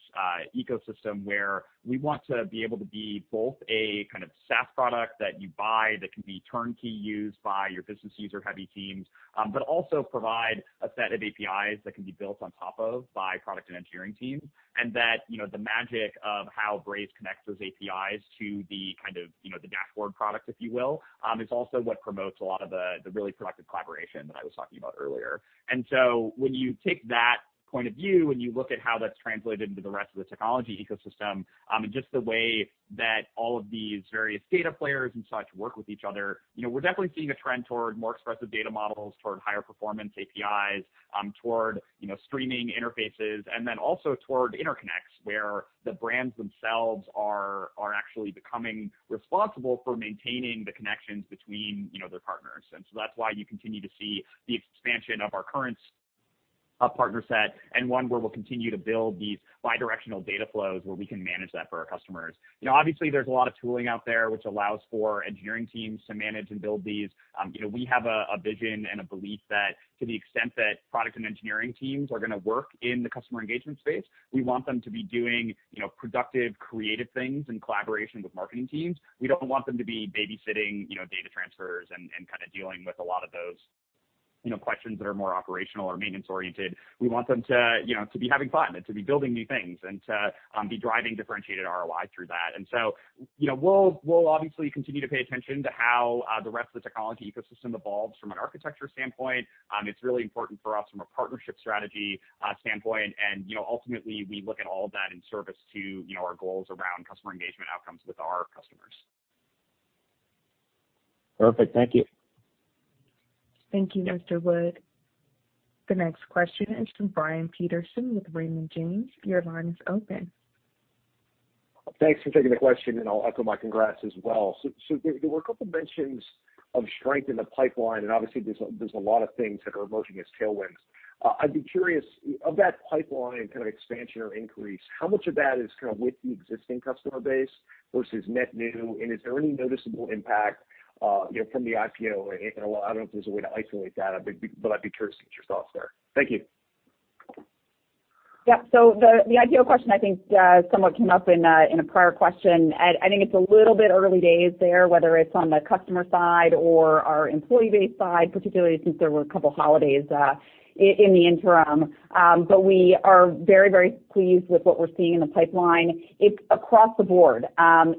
ecosystem where we want to be able to be both a kind of SaaS product that you buy that can be turnkey used by your business user-heavy teams, but also provide a set of APIs that can be built on top of by product and engineering teams. That, you know, the magic of how Braze connects those APIs to the kind of, you know, the dashboard product, if you will, is also what promotes a lot of the really productive collaboration that I was talking about earlier. When you take that point of view, when you look at how that's translated into the rest of the technology ecosystem, and just the way that all of these various data players and such work with each other, you know, we're definitely seeing a trend toward more expressive data models, toward higher performance APIs, toward, you know, streaming interfaces, and then also toward interconnects, where the brands themselves are actually becoming responsible for maintaining the connections between, you know, their partners. That's why you continue to see the expansion of our Currents partner set and one where we'll continue to build these bi-directional data flows where we can manage that for our customers. You know, obviously there's a lot of tooling out there which allows for engineering teams to manage and build these. You know, we have a vision and a belief that to the extent that product and engineering teams are gonna work in the customer engagement space, we want them to be doing, you know, productive, creative things in collaboration with marketing teams. We don't want them to be babysitting, you know, data transfers and kind of dealing with a lot of those, you know, questions that are more operational or maintenance-oriented. We want them to, you know, to be having fun and to be building new things and to be driving differentiated ROI through that. You know, we'll obviously continue to pay attention to how the rest of the technology ecosystem evolves from an architecture standpoint. It's really important for us from a partnership strategy standpoint. You know, ultimately, we look at all of that in service to, you know, our goals around customer engagement outcomes with our customers. Perfect. Thank you. Thank you, Mr. Wood. The next question is from Brian Peterson with Raymond James. Your line is open. Thanks for taking the question, and I'll echo my congrats as well. There were a couple mentions of strength in the pipeline, and obviously there's a lot of things that are emerging as tailwinds. I'd be curious, of that pipeline kind of expansion or increase, how much of that is kind of with the existing customer base versus net new? Is there any noticeable impact, you know, from the IPO? Well, I don't know if there's a way to isolate that, but I'd be curious to get your thoughts there. Thank you. Yeah. The IPO question I think somewhat came up in a prior question. I think it's a little bit early days there, whether it's on the customer side or our employee base side, particularly since there were a couple holidays in the interim. We are very, very pleased with what we're seeing in the pipeline. It's across the board.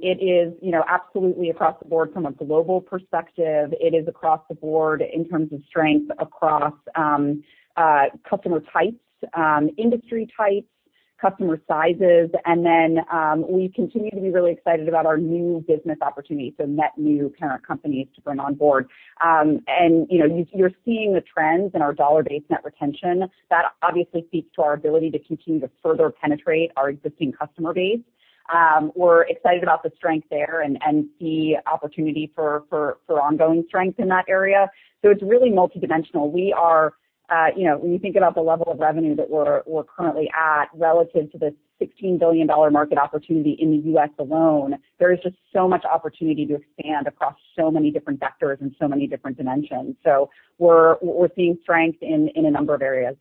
It is, you know, absolutely across the board from a global perspective. It is across the board in terms of strength across customer types, industry types, customer sizes. We continue to be really excited about our new business opportunities, so net new kind of companies to bring on board. You know, you're seeing the trends in our dollar-based net retention. That obviously speaks to our ability to continue to further penetrate our existing customer base. We're excited about the strength there and see opportunity for ongoing strength in that area. It's really multidimensional. We are, you know, when you think about the level of revenue that we're currently at relative to the $16 billion market opportunity in the U.S. alone, there is just so much opportunity to expand across so many different vectors and so many different dimensions. We're seeing strength in a number of areas.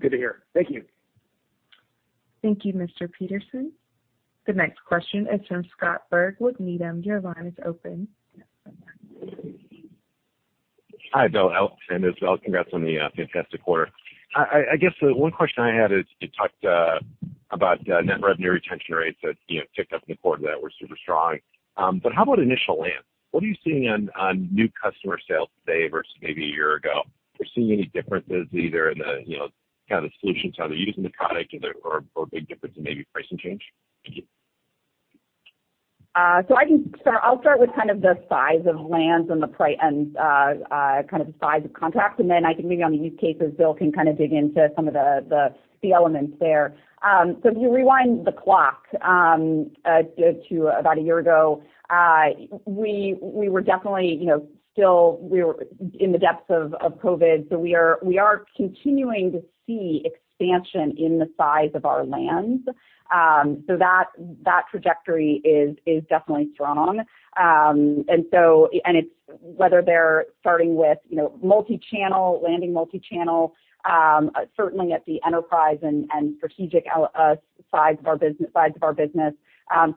Good to hear. Thank you. Thank you, Mr. Peterson. The next question is from Scott Berg with Needham. Your line is open. Hi, Bill. Congrats on the fantastic quarter. I guess the one question I had is you talked about net revenue retention rates that, you know, ticked up in the quarter that were super strong. How about initial land? What are you seeing on new customer sales today versus maybe a year ago? Are you seeing any differences either in the, you know, kind of the solutions, how they're using the product or a big difference in maybe pricing change? Thank you. I can start. I'll start with kind of the size of land and kind of the size of contracts, and then I can maybe on the use cases. Bill can kind of dig into some of the elements there. If you rewind the clock to about a year ago, we were definitely you know still in the depths of COVID. We are continuing to see expansion in the size of our land. That trajectory is definitely strong. It's whether they're starting with you know multi-channel, landing multi-channel certainly at the enterprise and strategic level size of our business.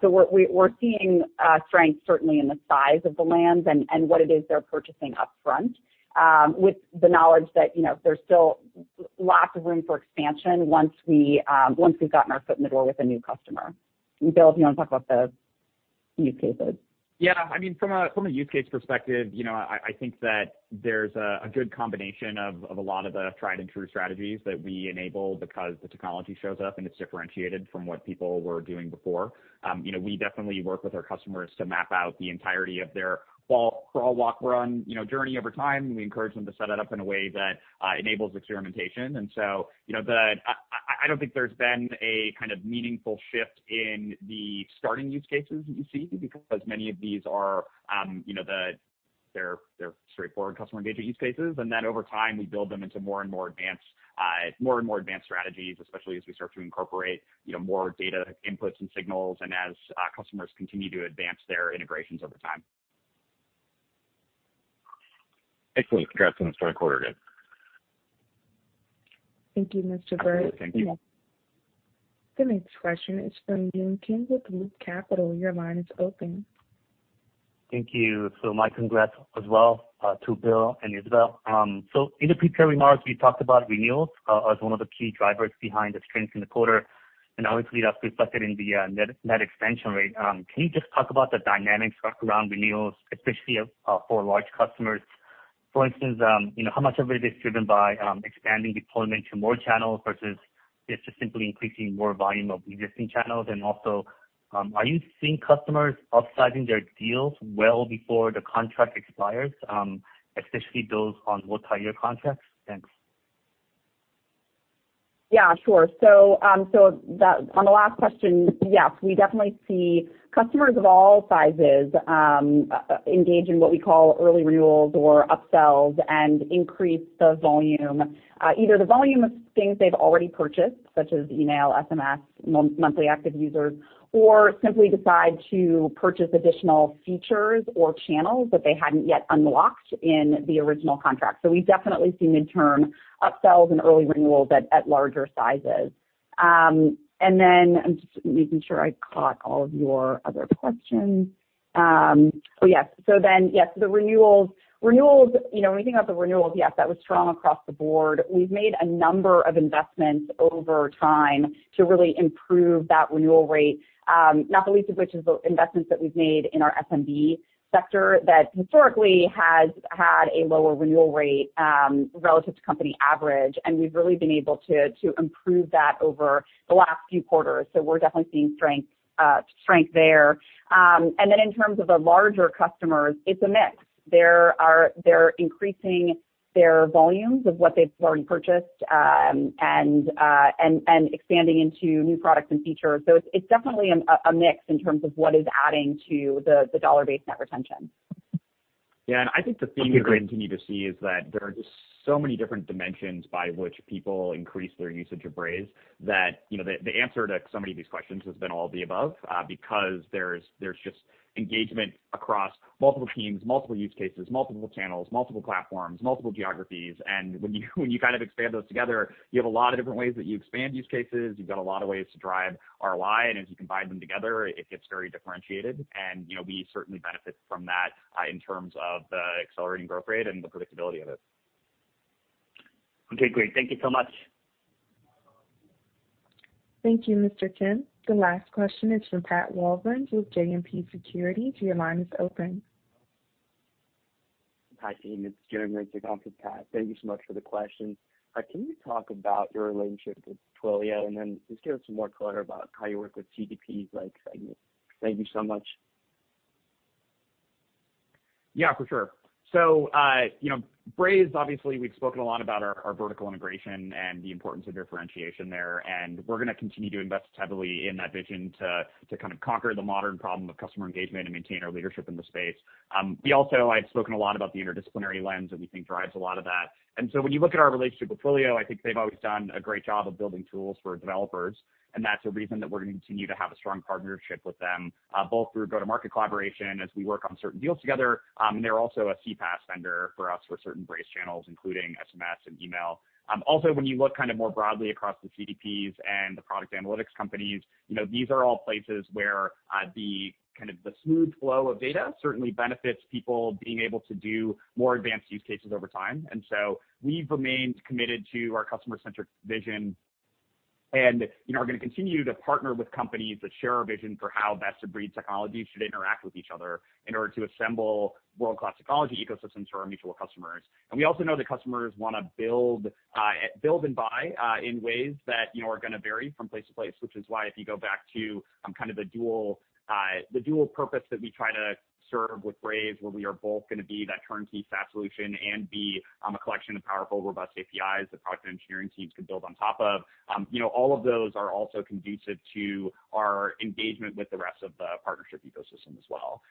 We're seeing strength certainly in the size of the lands and what it is they're purchasing upfront, with the knowledge that, you know, there's still lots of room for expansion once we've gotten our foot in the door with a new customer. Bill, if you want to talk about the use cases. Yeah. I mean, from a use case perspective, you know, I think that there's a good combination of a lot of the tried and true strategies that we enable because the technology shows up and it's differentiated from what people were doing before. You know, we definitely work with our customers to map out the entirety of their crawl-walk-run journey over time, and we encourage them to set it up in a way that enables experimentation. You know, I don't think there's been a kind of meaningful shift in the starting use cases that you see because many of these are, you know, they're straightforward customer engagement use cases. Over time, we build them into more and more advanced strategies, especially as we start to incorporate, you know, more data inputs and signals and as customers continue to advance their integrations over time. Excellent. Congrats on a strong quarter again. Thank you, Mr. Berg. Absolutely. Thank you. The next question is from Yun Kim with Loop Capital. Your line is open. Thank you. My congrats as well to Bill and Isabelle. In the prepared remarks, we talked about renewals as one of the key drivers behind the strength in the quarter, and obviously that's reflected in the net expansion rate. Can you just talk about the dynamics around renewals, especially for large customers? For instance, you know, how much of it is driven by expanding deployment to more channels versus just simply increasing more volume of existing channels? And also, are you seeing customers upsizing their deals well before the contract expires, especially those on multi-year contracts? Thanks. Yeah, sure. On the last question, yes, we definitely see customers of all sizes engage in what we call early renewals or upsells and increase the volume. Either the volume of things they've already purchased, such as email, SMS, monthly active users, or simply decide to purchase additional features or channels that they hadn't yet unlocked in the original contract. We definitely see midterm upsells and early renewals at larger sizes. I'm just making sure I caught all of your other questions. The renewals, you know, when you think about the renewals, yes, that was strong across the board. We've made a number of investments over time to really improve that renewal rate, not the least of which is the investments that we've made in our SMB sector that historically has had a lower renewal rate, relative to company average. We've really been able to improve that over the last few quarters. We're definitely seeing strength there. In terms of the larger customers, it's a mix. They're increasing their volumes of what they've already purchased, and expanding into new products and features. It's definitely a mix in terms of what is adding to the dollar-based net retention. Yeah. I think the theme you continue to see is that there are just so many different dimensions by which people increase their usage of Braze that, you know, the answer to so many of these questions has been all of the above, because there's just engagement across multiple teams, multiple use cases, multiple channels, multiple platforms, multiple geographies. When you kind of expand those together, you have a lot of different ways that you expand use cases. You've got a lot of ways to drive ROI. As you combine them together, it gets very differentiated. You know, we certainly benefit from that in terms of the accelerating growth rate and the predictability of it. Okay, great. Thank you so much. Thank you, Mr. Kim. The last question is from Pat Walravens with JMP Securities. Your line is open. Hi, team. It's Jeremy. Sorry for that. Thank you so much for the question. Can you talk about your relationship with Twilio? Just give us some more color about how you work with CDPs like Segment. Thank you so much. Yeah, for sure. You know, Braze, obviously, we've spoken a lot about our vertical integration and the importance of differentiation there, and we're gonna continue to invest heavily in that vision to kind of conquer the modern problem of customer engagement and maintain our leadership in the space. We also. I've spoken a lot about the interdisciplinary lens that we think drives a lot of that. When you look at our relationship with Twilio, I think they've always done a great job of building tools for developers, and that's a reason that we're gonna continue to have a strong partnership with them, both through go-to-market collaboration as we work on certain deals together. They're also a CPaaS vendor for us for certain Braze channels, including SMS and email. Also, when you look kind of more broadly across the CDPs and the product analytics companies, you know, these are all places where the smooth flow of data certainly benefits people being able to do more advanced use cases over time. We've remained committed to our customer-centric vision and, you know, are gonna continue to partner with companies that share our vision for how best these technologies should interact with each other in order to assemble world-class technology ecosystems for our mutual customers. We also know that customers wanna build and buy in ways that, you know, are gonna vary from place to place, which is why if you go back to kind of the dual purpose that we try to serve with Braze, where we are both gonna be that turnkey SaaS solution and be a collection of powerful, robust APIs that product and engineering teams can build on top of. You know, all of those are also conducive to our engagement with the rest of the partnership ecosystem as well.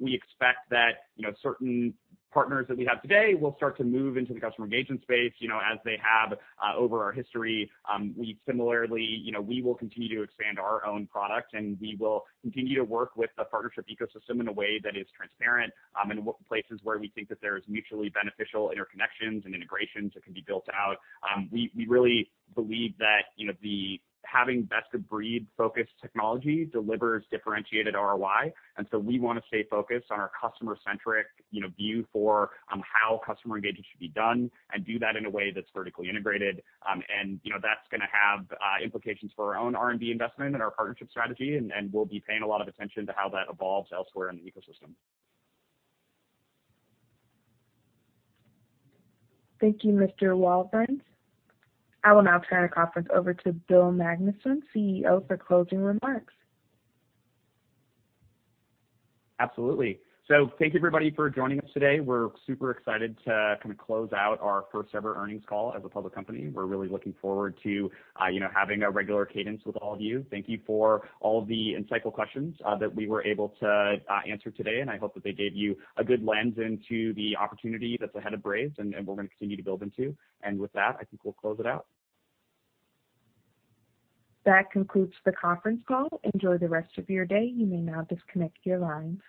We expect that, you know, certain partners that we have today will start to move into the customer engagement space, you know, as they have over our history. We similarly, you know, we will continue to expand our own product, and we will continue to work with the partnership ecosystem in a way that is transparent, in what places where we think that there is mutually beneficial interconnections and integrations that can be built out. We really believe that, you know, the having best-of-breed focused technology delivers differentiated ROI. We wanna stay focused on our customer-centric, you know, view for, how customer engagement should be done and do that in a way that's vertically integrated. You know, that's gonna have implications for our own R&D investment and our partnership strategy, and we'll be paying a lot of attention to how that evolves elsewhere in the ecosystem. Thank you, Mr. Walravens. I will now turn the conference over to Bill Magnuson, CEO, for closing remarks. Absolutely. So thank you, everybody, for joining us today. We're super excited to kinda close out our first-ever earnings call as a public company. We're really looking forward to you know, having a regular cadence with all of you. Thank you for all the insightful questions that we were able to answer today, and I hope that they gave you a good lens into the opportunity that's ahead of Braze and we're gonna continue to build into. With that, I think we'll close it out. That concludes the conference call. Enjoy the rest of your day. You may now disconnect your lines.